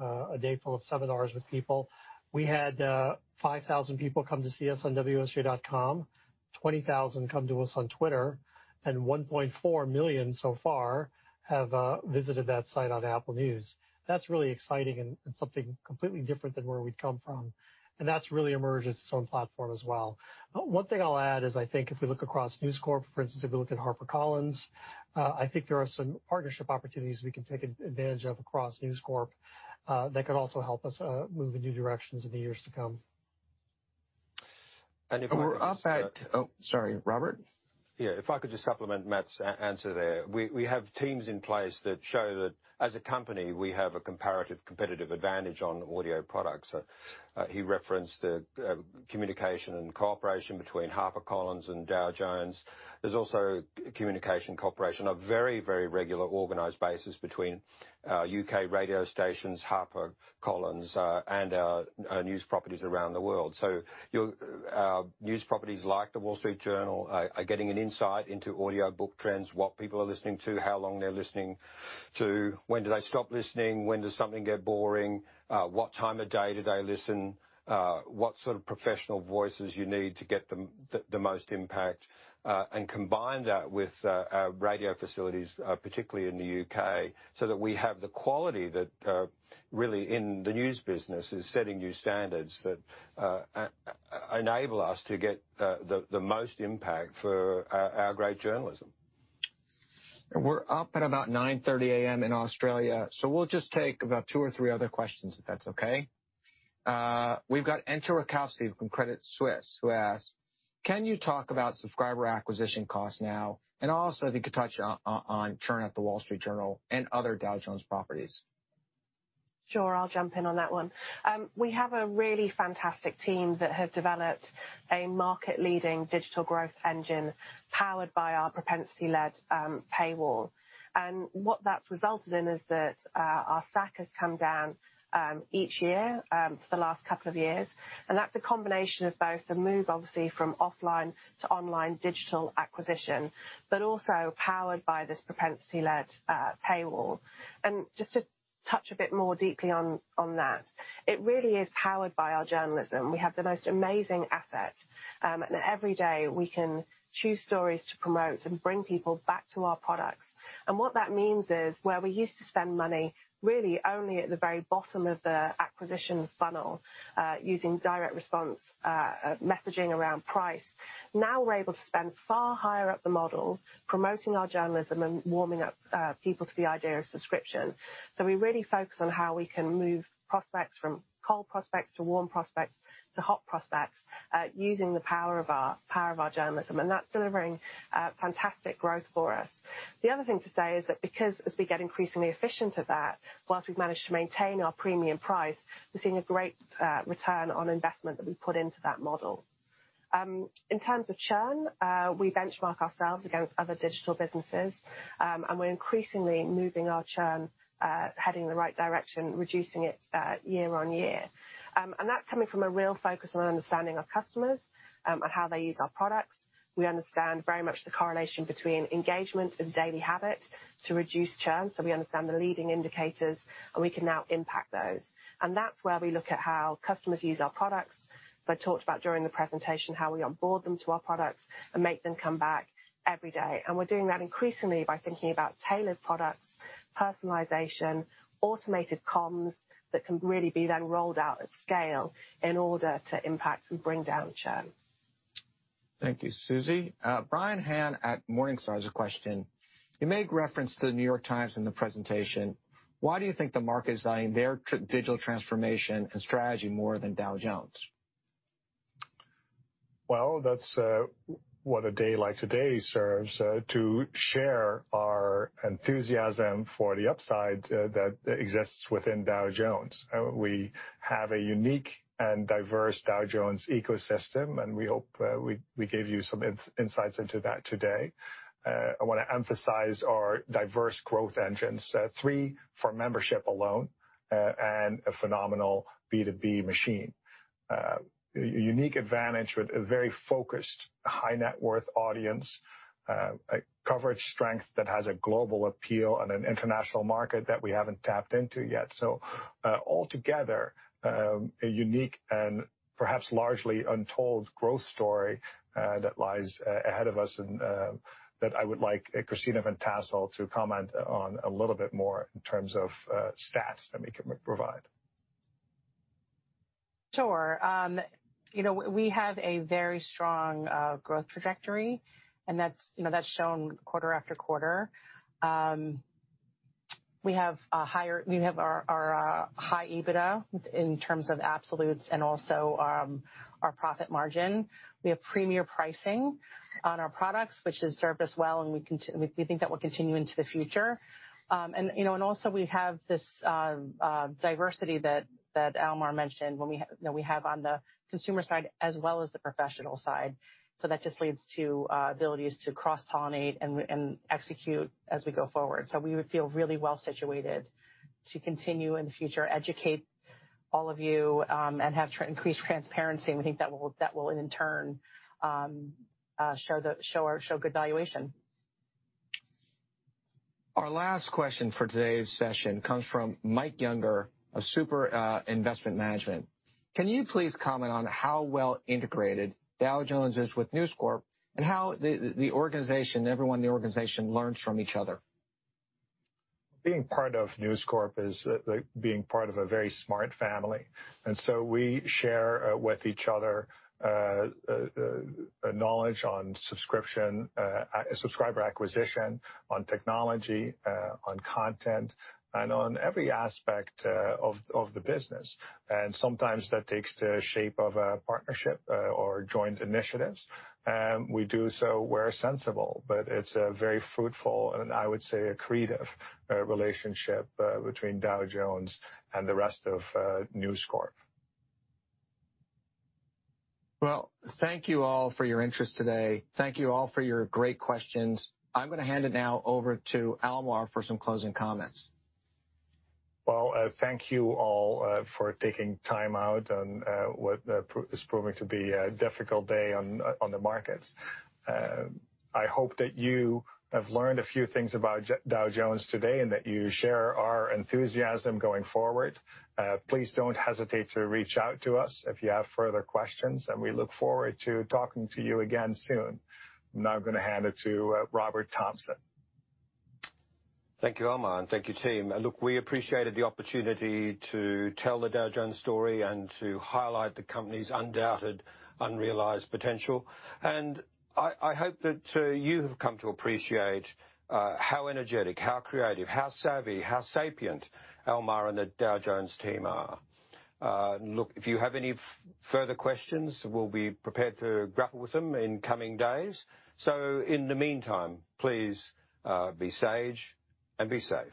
a day full of seminars with people. We had 5,000 people come to see us on wsj.com, 20,000 come to us on Twitter, and 1.4 million so far have visited that site on Apple News. That's really exciting and something completely different than where we'd come from. That's really emerged as its own platform as well. One thing I'll add is I think if we look across News Corp, for instance, if we look at HarperCollins, I think there are some partnership opportunities we can take advantage of across News Corp that could also help us move in new directions in the years to come. And if I could just- Oh, sorry, Robert? Yeah, if I could just supplement Matt's answer there. We have teams in place that show that as a company, we have a comparative competitive advantage on audio products. He referenced the communication and cooperation between HarperCollins and Dow Jones. There's also communication cooperation, a very regular, organized basis between U.K. radio stations, HarperCollins, and our news properties around the world. News properties like "The Wall Street Journal" are getting an insight into audiobook trends, what people are listening to, how long they're listening to, when do they stop listening, when does something get boring, what time of day do they listen, what sort of professional voices you need to get the most impact, and combine that with our radio facilities, particularly in the U.K., so that we have the quality that really in the news business is setting new standards that enable us to get the most impact for our great journalism. We're up at about 9:30 A.M. in Australia, so we'll just take about two or three other questions if that's okay. We've got Entcho Raykovski from Credit Suisse, who asks, "Can you talk about subscriber acquisition costs now, and also if you could touch on churn at The Wall Street Journal and other Dow Jones properties? Sure. I'll jump in on that one. We have a really fantastic team that have developed a market-leading digital growth engine powered by our propensity-led paywall. What that's resulted in is that our SAC has come down each year for the last couple of years. That's a combination of both the move, obviously, from offline to online digital acquisition, but also powered by this propensity-led paywall. Just to touch a bit more deeply on that, it really is powered by our journalism. We have the most amazing asset, and every day we can choose stories to promote and bring people back to our products. What that means is where we used to spend money really only at the very bottom of the acquisition funnel, using direct response messaging around price, now we're able to spend far higher up the model, promoting our journalism and warming up people to the idea of subscription. We really focus on how we can move prospects from cold prospects to warm prospects, to hot prospects, using the power of our journalism. That's delivering fantastic growth for us. The other thing to say is that because as we get increasingly efficient at that, whilst we've managed to maintain our premium price, we're seeing a great return on investment that we put into that model. In terms of churn, we benchmark ourselves against other digital businesses. We're increasingly moving our churn, heading in the right direction, reducing it year-on-year. That's coming from a real focus on understanding our customers, and how they use our products. We understand very much the correlation between engagement and daily habit to reduce churn. We understand the leading indicators, and we can now impact those. That's where we look at how customers use our products. I talked about during the presentation how we onboard them to our products and make them come back every day. We're doing that increasingly by thinking about tailored products, personalization, automated comms that can really be then rolled out at scale in order to impact and bring down churn. Thank you, Suzi. Brian Han at Morningstar has a question. You make reference to The New York Times in the presentation. Why do you think the market is valuing their digital transformation and strategy more than Dow Jones? Well, that's what a day like today serves, to share our enthusiasm for the upside that exists within Dow Jones. We have a unique and diverse Dow Jones ecosystem, and we hope we gave you some insights into that today. I want to emphasize our diverse growth engines. Three for membership alone, and a phenomenal B2B machine. A unique advantage with a very focused high net worth audience, a coverage strength that has a global appeal and an international market that we haven't tapped into yet. Altogether, a unique and perhaps largely untold growth story that lies ahead of us and that I would like Christina Van Tassell to comment on a little bit more in terms of stats that we can provide. Sure. We have a very strong growth trajectory and that's shown quarter after quarter. We have our high EBITDA in terms of absolutes and also our profit margin. We have premier pricing on our products, which has served us well, and we think that will continue into the future. Also we have this diversity that Almar mentioned that we have on the consumer side as well as the professional side. That just leads to abilities to cross-pollinate and execute as we go forward. We would feel really well situated to continue in the future, educate all of you, and have increased transparency, and we think that will in turn show good valuation. Our last question for today's session comes from Mike Younger of Super Investment Management. Can you please comment on how well integrated Dow Jones is with News Corp and how everyone in the organization learns from each other? Being part of News Corp is like being part of a very smart family, and so we share with each other knowledge on subscriber acquisition, on technology, on content, and on every aspect of the business. Sometimes that takes the shape of a partnership or joint initiatives. We do so where sensible, but it's a very fruitful, and I would say a creative relationship between Dow Jones and the rest of News Corp. Well, thank you all for your interest today. Thank you all for your great questions. I'm going to hand it now over to Almar for some closing comments. Well, thank you all for taking time out on what is proving to be a difficult day on the markets. I hope that you have learned a few things about Dow Jones today, and that you share our enthusiasm going forward. Please don't hesitate to reach out to us if you have further questions, and we look forward to talking to you again soon. I'm now going to hand it to Robert Thomson. Thank you, Almar, thank you team. Look, we appreciated the opportunity to tell the Dow Jones story and to highlight the company's undoubted unrealized potential. I hope that you have come to appreciate how energetic, how creative, how savvy, how sapient Almar and the Dow Jones team are. Look, if you have any further questions, we'll be prepared to grapple with them in coming days. In the meantime, please be sage and be safe.